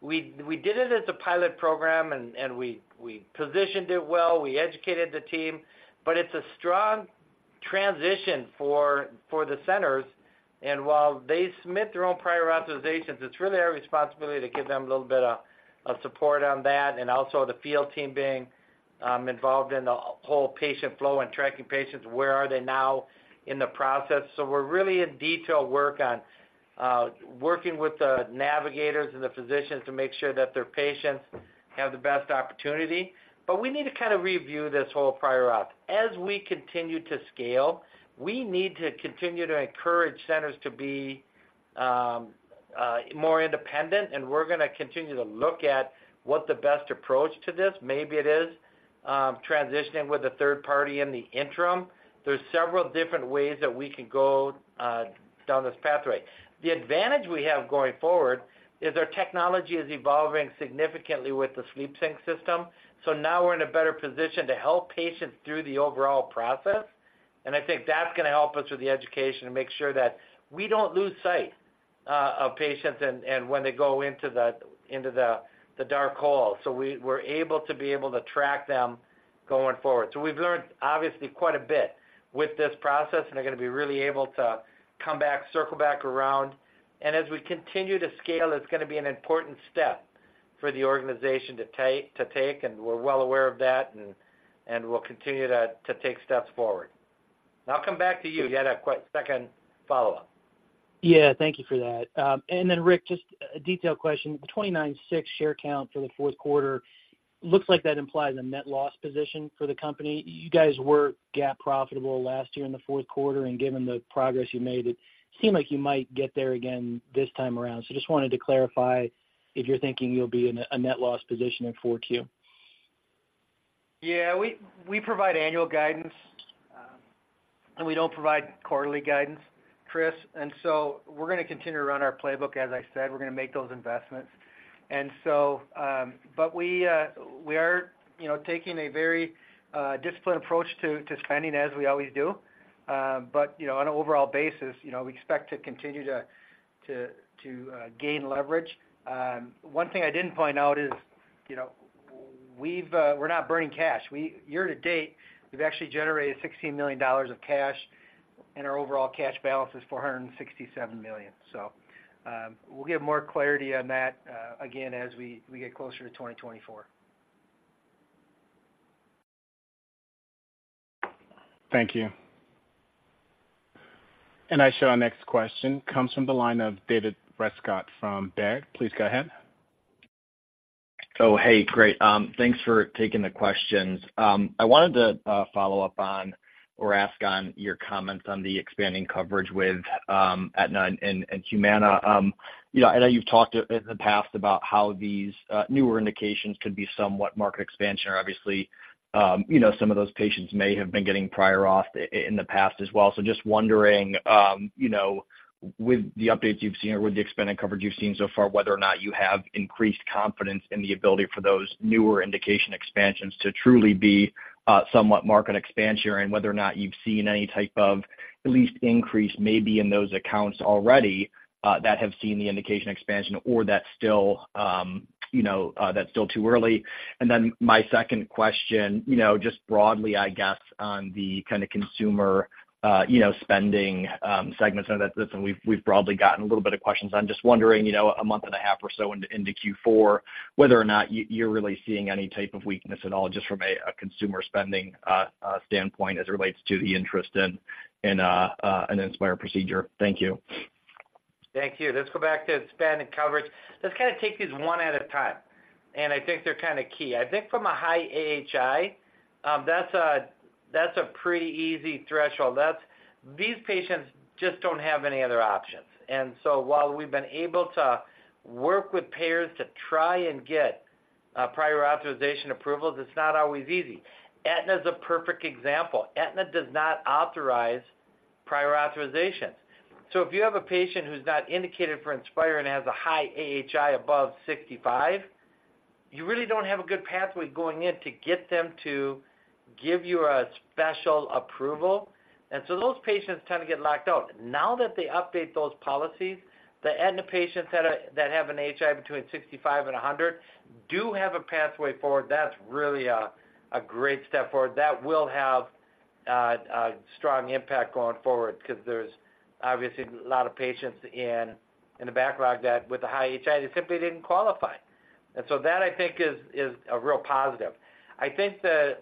C: we did it as a pilot program and we positioned it well, we educated the team, but it's a strong transition for the centers. And while they submit their own prior authorizations, it's really our responsibility to give them a little bit of support on that, and also the field team being involved in the whole patient flow and tracking patients, where are they now in the process. So we're really in detailed work on working with the navigators and the physicians to make sure that their patients have the best opportunity. But we need to kind of review this whole prior auth. As we continue to scale, we need to continue to encourage centers to be more independent, and we're gonna continue to look at what the best approach to this. Maybe it is transitioning with a third party in the interim. There's several different ways that we can go down this pathway. The advantage we have going forward is our technology is evolving significantly with the SleepSync system. So now we're in a better position to help patients through the overall process, and I think that's gonna help us with the education to make sure that we don't lose sight of patients and when they go into the dark hole. So we're able to track them going forward. So we've learned, obviously, quite a bit with this process, and they're gonna be really able to come back, circle back around. And as we continue to scale, it's gonna be an important step for the organization to take, and we're well aware of that, and we'll continue to take steps forward. Now, I'll come back to you. You had a que- second follow-up.
L: Yeah, thank you for that. And then, Rick, just a detailed question: 29.6 share count for the fourth quarter, looks like that implies a net loss position for the company. You guys were GAAP profitable last year in the fourth quarter, and given the progress you made, it seemed like you might get there again this time around. So just wanted to clarify if you're thinking you'll be in a net loss position in 4Q.
D: Yeah, we provide annual guidance, and we don't provide quarterly guidance, Chris, and so we're gonna continue to run our playbook. As I said, we're gonna make those investments. And so, but we are, you know, taking a very disciplined approach to spending, as we always do. But, you know, on an overall basis, you know, we expect to continue to gain leverage. One thing I didn't point out is, you know, we've, we're not burning cash. Year to date, we've actually generated $16 million of cash, and our overall cash balance is $467 million. So, we'll give more clarity on that, again, as we get closer to 2024.
L: Thank you.
A: And I show our next question comes from the line of David Rescott from Baird. Please go ahead.
M: Oh, hey, great. Thanks for taking the questions. I wanted to follow up on or ask on your comments on the expanding coverage with Aetna and Humana. You know, I know you've talked in the past about how these newer indications could be somewhat market expansion or obviously, you know, some of those patients may have been getting prior auth in the past as well. So just wondering, you know, with the updates you've seen or with the expanded coverage you've seen so far, whether or not you have increased confidence in the ability for those newer indication expansions to truly be somewhat market expansion, and whether or not you've seen any type of at least increase, maybe in those accounts already that have seen the indication expansion or that's still, you know, that's still too early. And then my second question, you know, just broadly, I guess, on the kind of consumer, you know, spending segments, and we've broadly gotten a little bit of questions. I'm just wondering, you know, a month and a half or so into Q4, whether or not you're really seeing any type of weakness at all, just from a consumer spending standpoint as it relates to the interest in an Inspire procedure. Thank you.
C: Thank you. Let's go back to expanded coverage. Let's kind of take these one at a time, and I think they're kind of key. I think from a high AHI, that's a pretty easy threshold. That's... These patients just don't have any other options. And so while we've been able to work with payers to try and get prior authorization approvals, it's not always easy. Aetna is a perfect example. Aetna does not authorize prior authorizations. So if you have a patient who's not indicated for Inspire and has a high AHI above 65, you really don't have a good pathway going in to get them to give you a special approval, and so those patients tend to get locked out. Now that they update those policies, the Aetna patients that have an AHI between 65 and 100 do have a pathway forward. That's really a great step forward. That will have a strong impact going forward because there's obviously a lot of patients in the backlog that with a high AHI, they simply didn't qualify... And so that I think is a real positive. I think the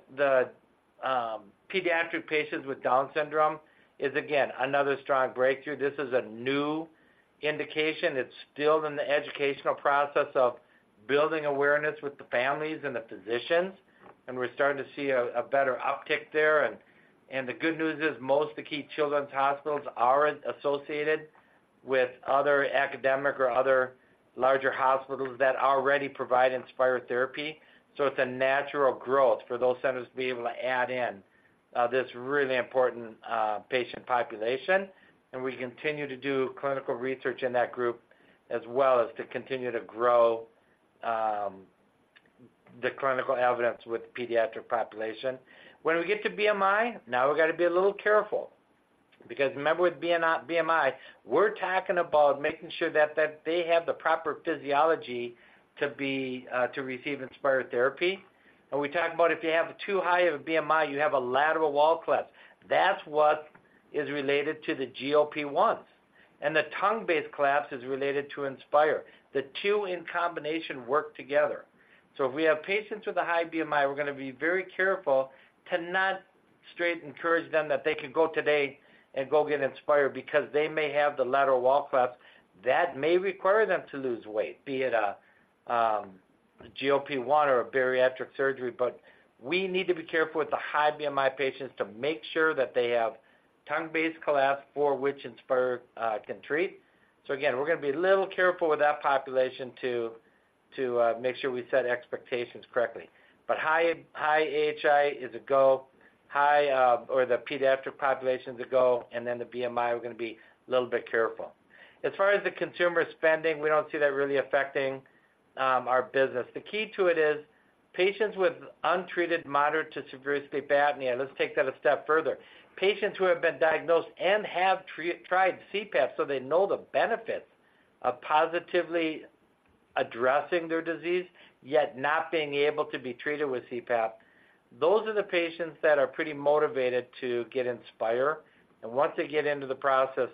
C: pediatric patients with Down syndrome is again, another strong breakthrough. This is a new indication. It's still in the educational process of building awareness with the families and the physicians, and we're starting to see a better uptick there. And the good news is, most of the key children's hospitals are associated with other academic or other larger hospitals that already provide Inspire therapy. So it's a natural growth for those centers to be able to add in this really important patient population. We continue to do clinical research in that group, as well as to continue to grow the clinical evidence with the pediatric population. When we get to BMI, now we've got to be a little careful, because remember, with BMI, we're talking about making sure that they have the proper physiology to be to receive Inspire therapy. We talk about if you have too high of a BMI, you have a lateral wall collapse. That's what is related to the GLP-1s. The tongue-based collapse is related to Inspire. The two in combination work together. So if we have patients with a high BMI, we're going to be very careful to not straight encourage them that they can go today and go get Inspire because they may have the lateral wall collapse. That may require them to lose weight, be it a GLP-1 or a bariatric surgery. But we need to be careful with the high BMI patients to make sure that they have tongue-based collapse for which Inspire can treat. So again, we're going to be a little careful with that population to make sure we set expectations correctly. But high AHI is a go, high or the pediatric population is a go, and then the BMI, we're going to be a little bit careful. As far as the consumer spending, we don't see that really affecting our business. The key to it is patients with untreated, moderate to severely bad apnea. Let's take that a step further. Patients who have been diagnosed and have tried CPAP, so they know the benefits of positively addressing their disease, yet not being able to be treated with CPAP, those are the patients that are pretty motivated to get Inspire. Once they get into the process,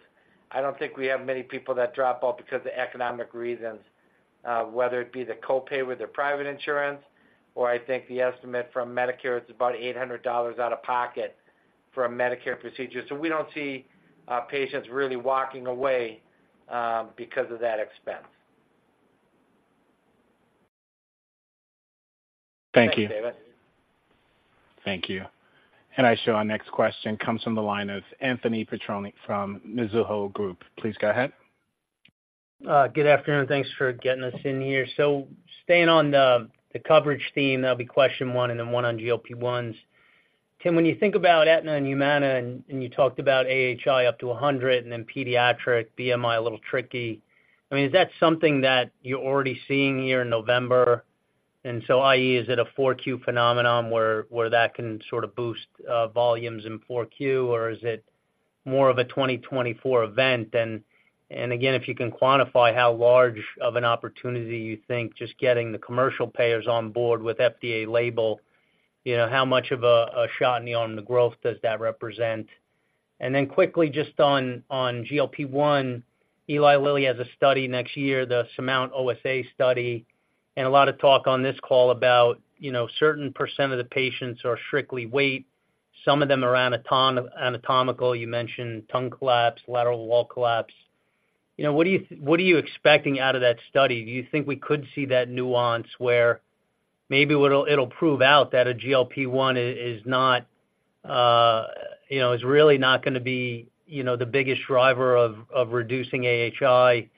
C: I don't think we have many people that drop out because of economic reasons, whether it be the copay with their private insurance, or I think the estimate from Medicare, it's about $800 out of pocket for a Medicare procedure. We don't see patients really walking away because of that expense.
M: Thank you.
C: Thanks, David.
A: Thank you. Our next question comes from the line of Anthony Petroni from Mizuho Group. Please go ahead.
N: Good afternoon. Thanks for getting us in here. So staying on the coverage theme, that'll be question one and then one on GLP-1s. Tim, when you think about Aetna and Humana, and you talked about AHI up to 100, and then pediatric, BMI, a little tricky. I mean, is that something that you're already seeing here in November? And so, i.e., is it a 4Q phenomenon where that can sort of boost volumes in 4Q, or is it more of a 2024 event? And again, if you can quantify how large of an opportunity you think just getting the commercial payers on board with FDA label, you know, how much of a shot in the arm of growth does that represent? Then quickly, just on GLP-1, Eli Lilly has a study next year, the SURMOUNT-OSA study, and a lot of talk on this call about, you know, certain percent of the patients are strictly weight. Some of them are anatomical. You mentioned tongue collapse, lateral wall collapse. You know, what do you, what are you expecting out of that study? Do you think we could see that nuance where maybe it'll, it'll prove out that a GLP-1 is, is not, you know, is really not going to be, you know, the biggest driver of reducing AHI,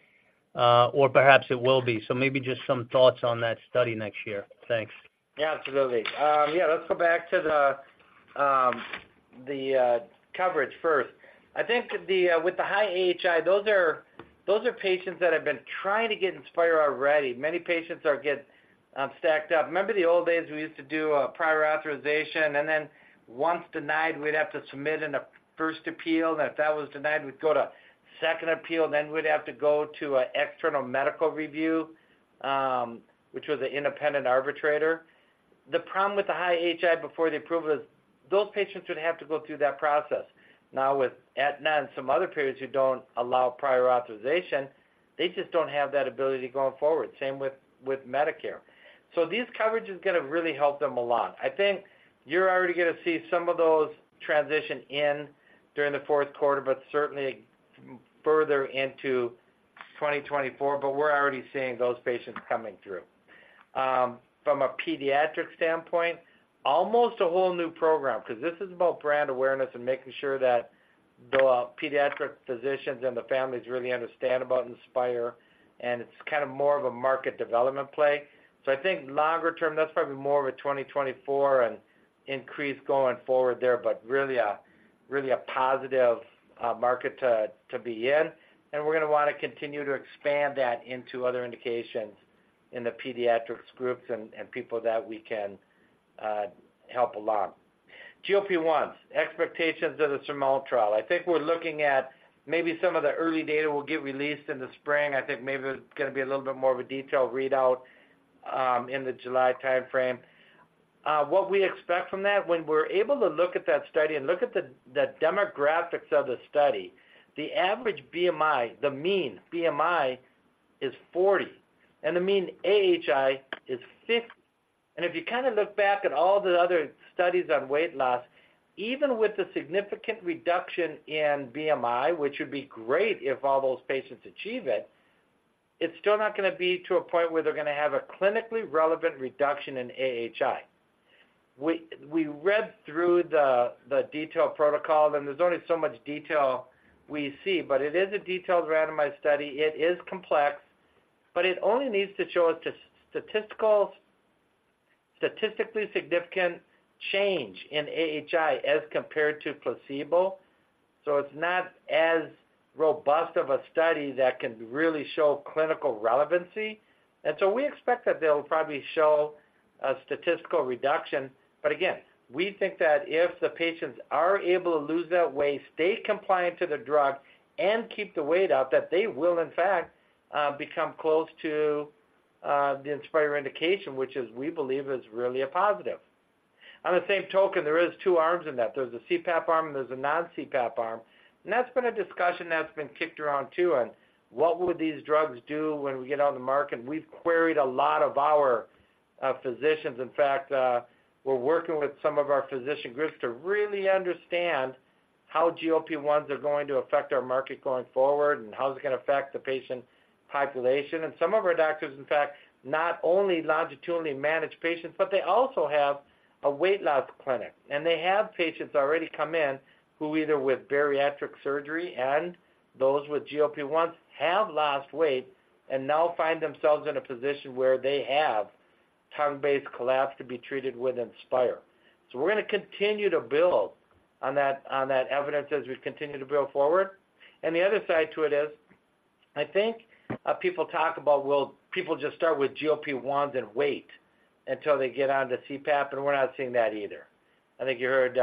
N: or perhaps it will be. So maybe just some thoughts on that study next year. Thanks.
C: Yeah, absolutely. Yeah, let's go back to the coverage first. I think with the high AHI, those are patients that have been trying to get Inspire already. Many patients are getting stacked up. Remember the old days, we used to do a prior authorization, and then once denied, we'd have to submit in a first appeal, and if that was denied, we'd go to second appeal, then we'd have to go to an external medical review, which was an independent arbitrator. The problem with the high AHI before the approval is, those patients would have to go through that process. Now, with Aetna and some other payers who don't allow prior authorization, they just don't have that ability going forward. Same with Medicare. So these coverages going to really help them a lot. I think you're already going to see some of those transition in during the fourth quarter, but certainly further into 2024, but we're already seeing those patients coming through. From a pediatric standpoint, almost a whole new program, because this is about brand awareness and making sure that the pediatric physicians and the families really understand about Inspire, and it's kind of more of a market development play. So I think longer term, that's probably more of a 2024 and increase going forward there, but really a, really a positive market to, to be in. And we're going to want to continue to expand that into other indications in the pediatrics groups and, and people that we can help along. GLP-1s, expectations of the SURMOUNT trial. I think we're looking at maybe some of the early data will get released in the spring. I think maybe it's going to be a little bit more of a detailed readout in the July timeframe. What we expect from that, when we're able to look at that study and look at the demographics of the study, the average BMI, the mean BMI, is 40, and the mean AHI is 50. And if you kind of look back at all the other studies on weight loss, even with the significant reduction in BMI, which would be great if all those patients achieve it, it's still not gonna be to a point where they're gonna have a clinically relevant reduction in AHI. We read through the detailed protocol, and there's only so much detail we see, but it is a detailed randomized study. It is complex, but it only needs to show us a statistically significant change in AHI as compared to placebo. So it's not as robust of a study that can really show clinical relevancy. So we expect that they'll probably show a statistical reduction. But again, we think that if the patients are able to lose that weight, stay compliant to the drug, and keep the weight out, that they will, in fact, become close to the Inspire indication, which is, we believe, is really a positive. On the same token, there is two arms in that. There's a CPAP arm, and there's a non-CPAP arm. And that's been a discussion that's been kicked around, too, on what would these drugs do when we get on the market? We've queried a lot of our physicians. In fact, we're working with some of our physician groups to really understand how GLP-1s are going to affect our market going forward and how it's gonna affect the patient population. And some of our doctors, in fact, not only longitudinally manage patients, but they also have a weight loss clinic. And they have patients already come in who, either with bariatric surgery and those with GLP-1s, have lost weight and now find themselves in a position where they have tongue-based collapse to be treated with Inspire. So we're gonna continue to build on that, on that evidence as we continue to build forward. And the other side to it is, I think, people talk about, will people just start with GLP-1s and wait until they get onto CPAP? And we're not seeing that either. I think you heard,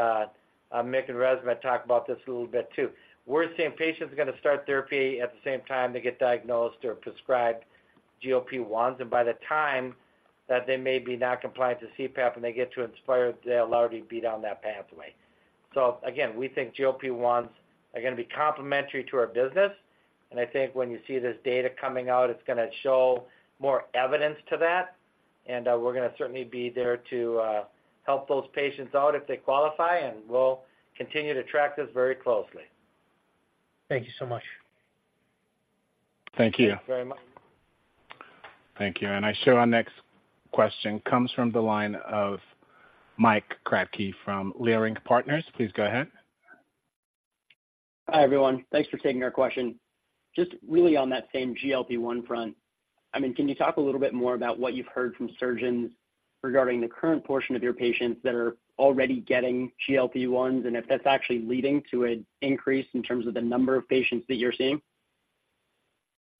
C: Mick and ResMed talk about this a little bit, too. We're seeing patients are gonna start therapy at the same time they get diagnosed or prescribed GLP-1s, and by the time that they may be not compliant to CPAP and they get to Inspire, they'll already be down that pathway. So again, we think GLP-1s are gonna be complementary to our business, and I think when you see this data coming out, it's gonna show more evidence to that, and, we're gonna certainly be there to, help those patients out if they qualify, and we'll continue to track this very closely.
N: Thank you so much.
A: Thank you.
C: Thanks very much.
A: Thank you. I show our next question comes from the line of Mike Kratky from Leerink Partners. Please go ahead.
O: Hi, everyone. Thanks for taking our question. Just really on that same GLP-1 front, I mean, can you talk a little bit more about what you've heard from surgeons regarding the current portion of your patients that are already getting GLP-1, and if that's actually leading to an increase in terms of the number of patients that you're seeing?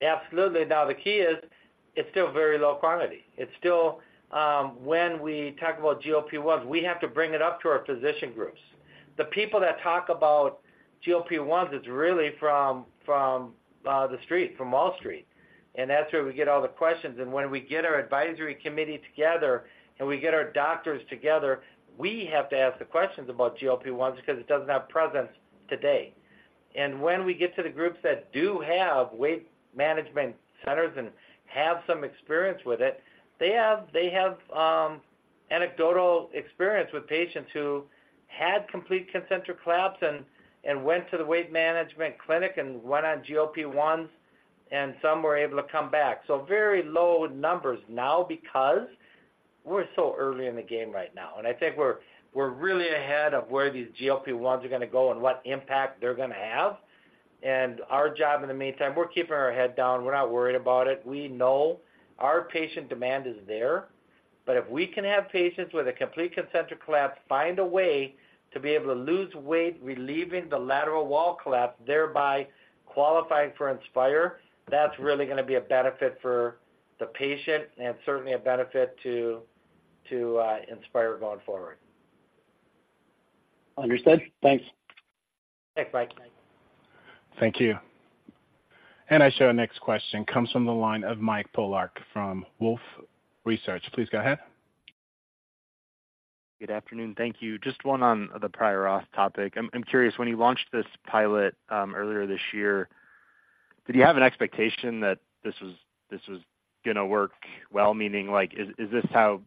C: Absolutely. Now, the key is, it's still very low quantity. It's still, when we talk about GLP-1s, we have to bring it up to our physician groups. The people that talk about GLP-1s is really from the Street, from Wall Street, and that's where we get all the questions. And when we get our advisory committee together and we get our doctors together, we have to ask the questions about GLP-1s because it doesn't have presence today. And when we get to the groups that do have weight management centers and have some experience with it, they have anecdotal experience with patients who had complete concentric collapse and went to the weight management clinic and went on GLP-1s, and some were able to come back. So very low numbers now because we're so early in the game right now, and I think we're really ahead of where these GLP-1s are gonna go and what impact they're gonna have. And our job in the meantime, we're keeping our head down. We're not worried about it. We know our patient demand is there, but if we can have patients with a complete concentric collapse find a way to be able to lose weight, relieving the lateral wall collapse, thereby qualifying for Inspire, that's really gonna be a benefit for the patient and certainly a benefit to Inspire going forward.
O: Understood. Thanks.
C: Thanks, Mike.
A: Thank you. I show our next question comes from the line of Mike Polark from Wolfe Research. Please go ahead.
P: Good afternoon. Thank you. Just one on the prior auth topic. I'm curious, when you launched this pilot earlier this year, did you have an expectation that this was gonna work well? Meaning, like, is this how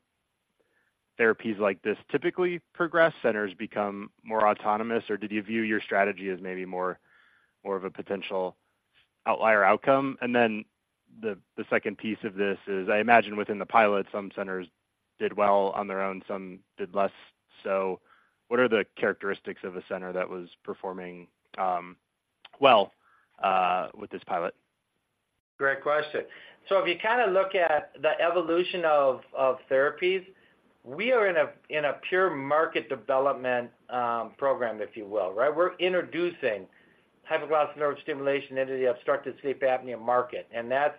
P: therapies like this typically progress, centers become more autonomous, or did you view your strategy as maybe more of a potential outlier outcome? And then the second piece of this is, I imagine within the pilot, some centers did well on their own, some did less so. What are the characteristics of a center that was performing well with this pilot?
C: Great question. So if you kind of look at the evolution of therapies, we are in a pure market development program, if you will, right? We're introducing hypoglossal nerve stimulation into the obstructive sleep apnea market, and that's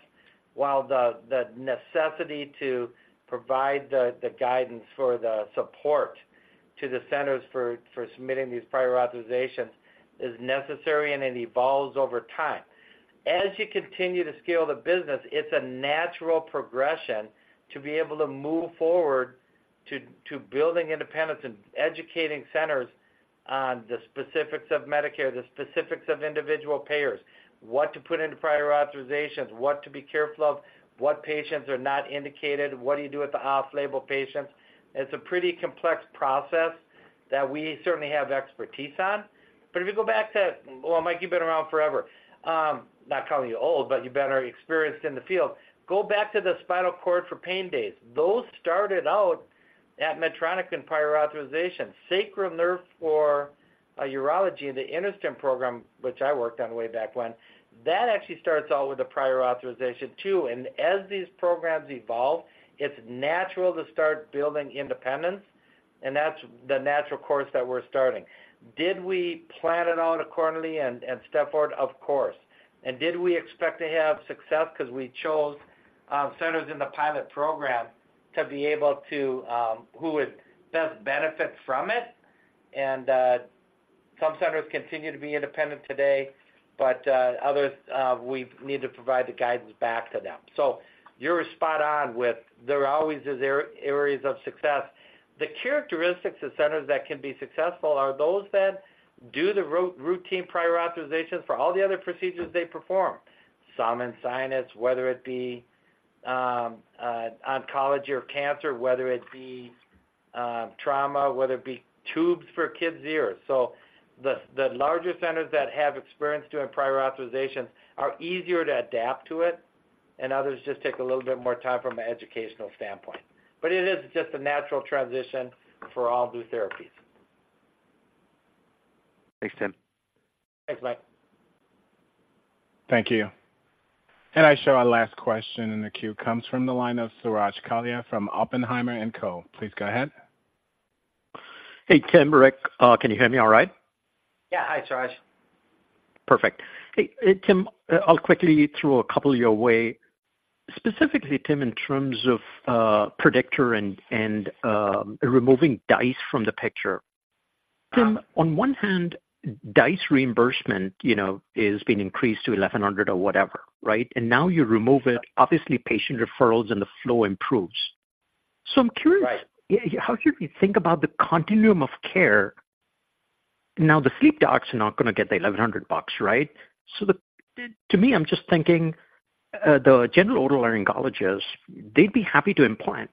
C: while the necessity to provide the guidance to the centers for submitting these prior authorizations is necessary, and it evolves over time. As you continue to scale the business, it's a natural progression to be able to move forward to building independence and educating centers on the specifics of Medicare, the specifics of individual payers, what to put into prior authorizations, what to be careful of, what patients are not indicated, what do you do with the off-label patients? It's a pretty complex process that we certainly have expertise on. But if you go back to, well, Mike, you've been around forever. Not calling you old, but you've been very experienced in the field. Go back to the spinal cord for pain days. Those started out at Medtronic and prior authorization, sacral nerve for urology and the InterStim program, which I worked on way back when. That actually starts out with a prior authorization, too. And as these programs evolve, it's natural to start building independence, and that's the natural course that we're starting. Did we plan it out accordingly and step forward? Of course. And did we expect to have success 'cause we chose centers in the pilot program to be able to who would best benefit from it? And some centers continue to be independent today, but others, we've needed to provide the guidance back to them. So you're spot on with, there are always these areas of success. The characteristics of centers that can be successful are those that do the routine prior authorization for all the other procedures they perform. Some in sinus, whether it be oncology or cancer, whether it be trauma, whether it be tubes for kids' ears. So the larger centers that have experience doing prior authorizations are easier to adapt to it, and others just take a little bit more time from an educational standpoint. But it is just a natural transition for all new therapies.
P: Thanks, Tim.
C: Thanks, Mike.
A: Thank you. And I show our last question in the queue comes from the line of Suraj Kalia from Oppenheimer and Co. Please go ahead.
Q: Hey, Tim, Rick, can you hear me all right?
C: Yeah. Hi, Suraj.
Q: Perfect. Hey, Tim, I'll quickly throw a couple your way. Specifically, Tim, in terms of PREDICTOR and removing DISE from the picture. Tim, on one hand, DISE reimbursement, you know, has been increased to $1,100 or whatever, right? And now you remove it. Obviously, patient referrals and the flow improves. So I'm curious-
C: Right.
Q: How you think about the continuum of care. Now, the sleep docs are not gonna get the $1,100, right? So, to me, I'm just thinking, the general otolaryngologists, they'd be happy to implant,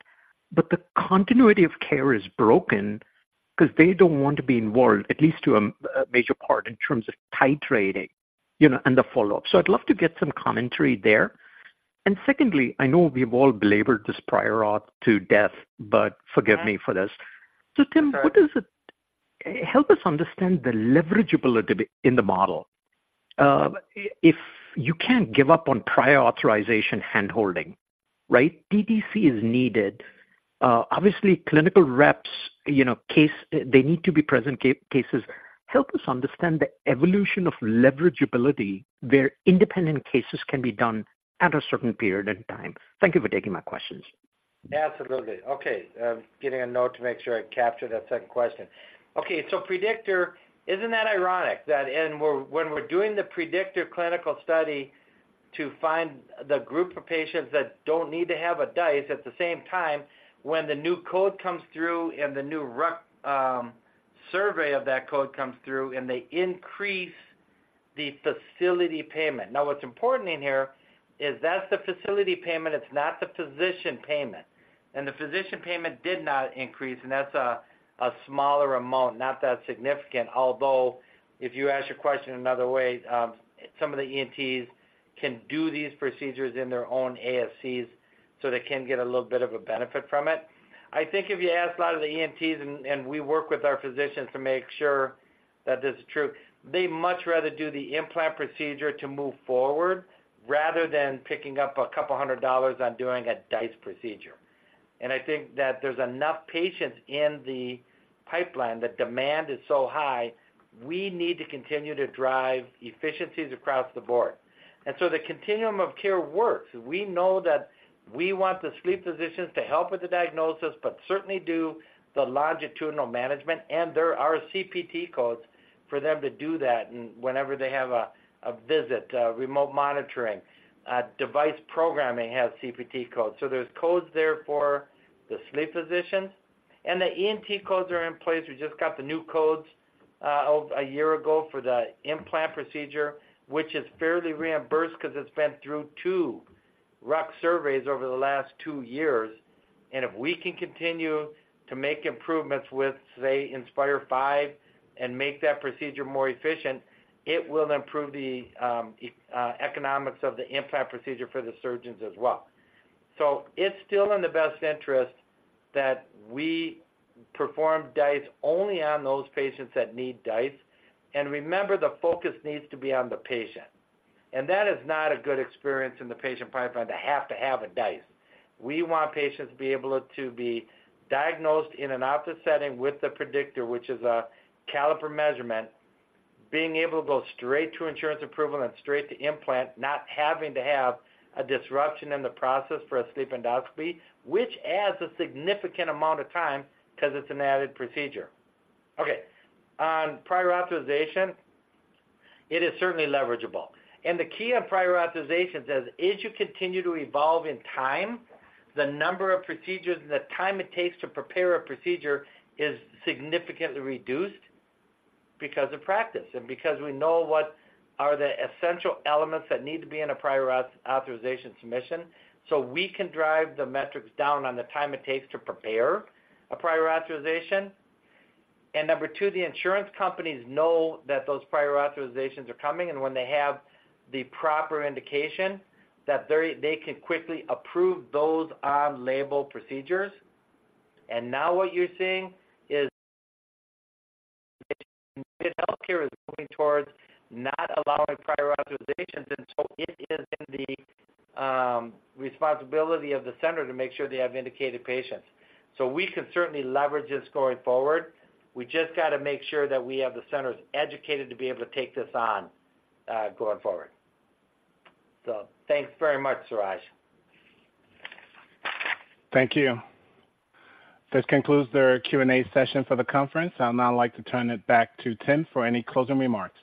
Q: but the continuity of care is broken because they don't want to be involved, at least to a major part in terms of titrating, you know, and the follow-up. So I'd love to get some commentary there. Secondly, I know we've all belabored this prior auth to death, but forgive me for this.
C: Right.
Q: So Tim, what is it... Help us understand the leverageability in the model. If you can't give up on prior authorization handholding, right, DTC is needed. Obviously, clinical reps, you know, case, they need to be present cases. Help us understand the evolution of leverageability, where independent cases can be done at a certain period in time. Thank you for taking my questions.
C: Absolutely. Okay, getting a note to make sure I captured that second question. Okay, so PREDICTOR, isn't that ironic? That and we're- when we're doing the PREDICTOR clinical study to find the group of patients that don't need to have a DISE at the same time, when the new code comes through and the new RUC survey of that code comes through, and they increase the facility payment. Now, what's important in here is that's the facility payment, it's not the physician payment. And the physician payment did not increase, and that's a smaller amount, not that significant. Although, if you ask your question another way, some of the ENTs can do these procedures in their own ASCs, so they can get a little bit of a benefit from it. I think if you ask a lot of the ENTs, and we work with our physicians to make sure that this is true, they much rather do the implant procedure to move forward, rather than picking up a couple hundred dollars on doing a DISE procedure. I think that there's enough patients in the pipeline that demand is so high, we need to continue to drive efficiencies across the board. So the continuum of care works. We know that we want the sleep physicians to help with the diagnosis, but certainly do the longitudinal management, and there are CPT codes for them to do that whenever they have a visit, remote monitoring. Device programming has CPT codes. So there's codes there for the sleep physicians, and the ENT codes are in place. We just got the new codes a year ago for the implant procedure, which is fairly reimbursed because it's been through two RUC surveys over the last two years. If we can continue to make improvements with, say, Inspire V and make that procedure more efficient, it will improve the economics of the implant procedure for the surgeons as well. It's still in the best interest that we perform DISE only on those patients that need DISE. Remember, the focus needs to be on the patient. That is not a good experience in the patient pipeline to have to have a DISE. We want patients to be able to be diagnosed in an office setting with the PREDICTOR which is a caliper measurement. Being able to go straight to insurance approval and straight to implant, not having to have a disruption in the process for a sleep endoscopy, which adds a significant amount of time because it's an added procedure. Okay, on prior authorization, it is certainly leverageable. And the key on prior authorizations is, as you continue to evolve in time, the number of procedures and the time it takes to prepare a procedure is significantly reduced because of practice, and because we know what are the essential elements that need to be in a prior authorization submission. So we can drive the metrics down on the time it takes to prepare a prior authorization. And number two, the insurance companies know that those prior authorizations are coming, and when they have the proper indication, they can quickly approve those on-label procedures. Now what you're seeing is healthcare is moving towards not allowing prior authorizations, and so it is in the responsibility of the center to make sure they have indicated patients. We can certainly leverage this going forward. We just got to make sure that we have the centers educated to be able to take this on, going forward. Thanks very much, Suraj.
A: Thank you. This concludes the Q&A session for the conference. I'd now like to turn it back to Tim for any closing remarks.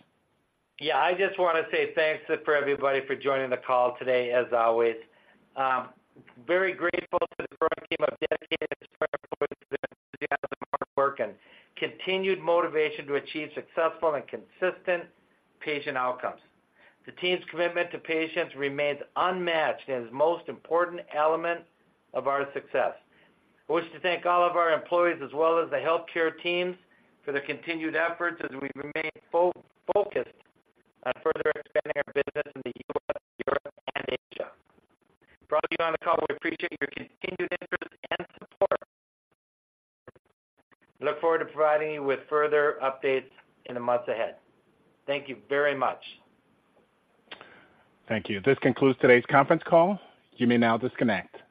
C: Yeah, I just want to say thanks to everybody for joining the call today as always. Very grateful to the growing team of dedicated employees, hard work and continued motivation to achieve successful and consistent patient outcomes. The team's commitment to patients remains unmatched and is the most important element of our success. I wish to thank all of our employees as well as the healthcare teams for their continued efforts as we remain focused on further expanding our business in the U.S., Europe, and Asia. For all of you on the call, we appreciate your continued interest and support. Look forward to providing you with further updates in the months ahead. Thank you very much.
A: Thank you. This concludes today's conference call. You may now disconnect.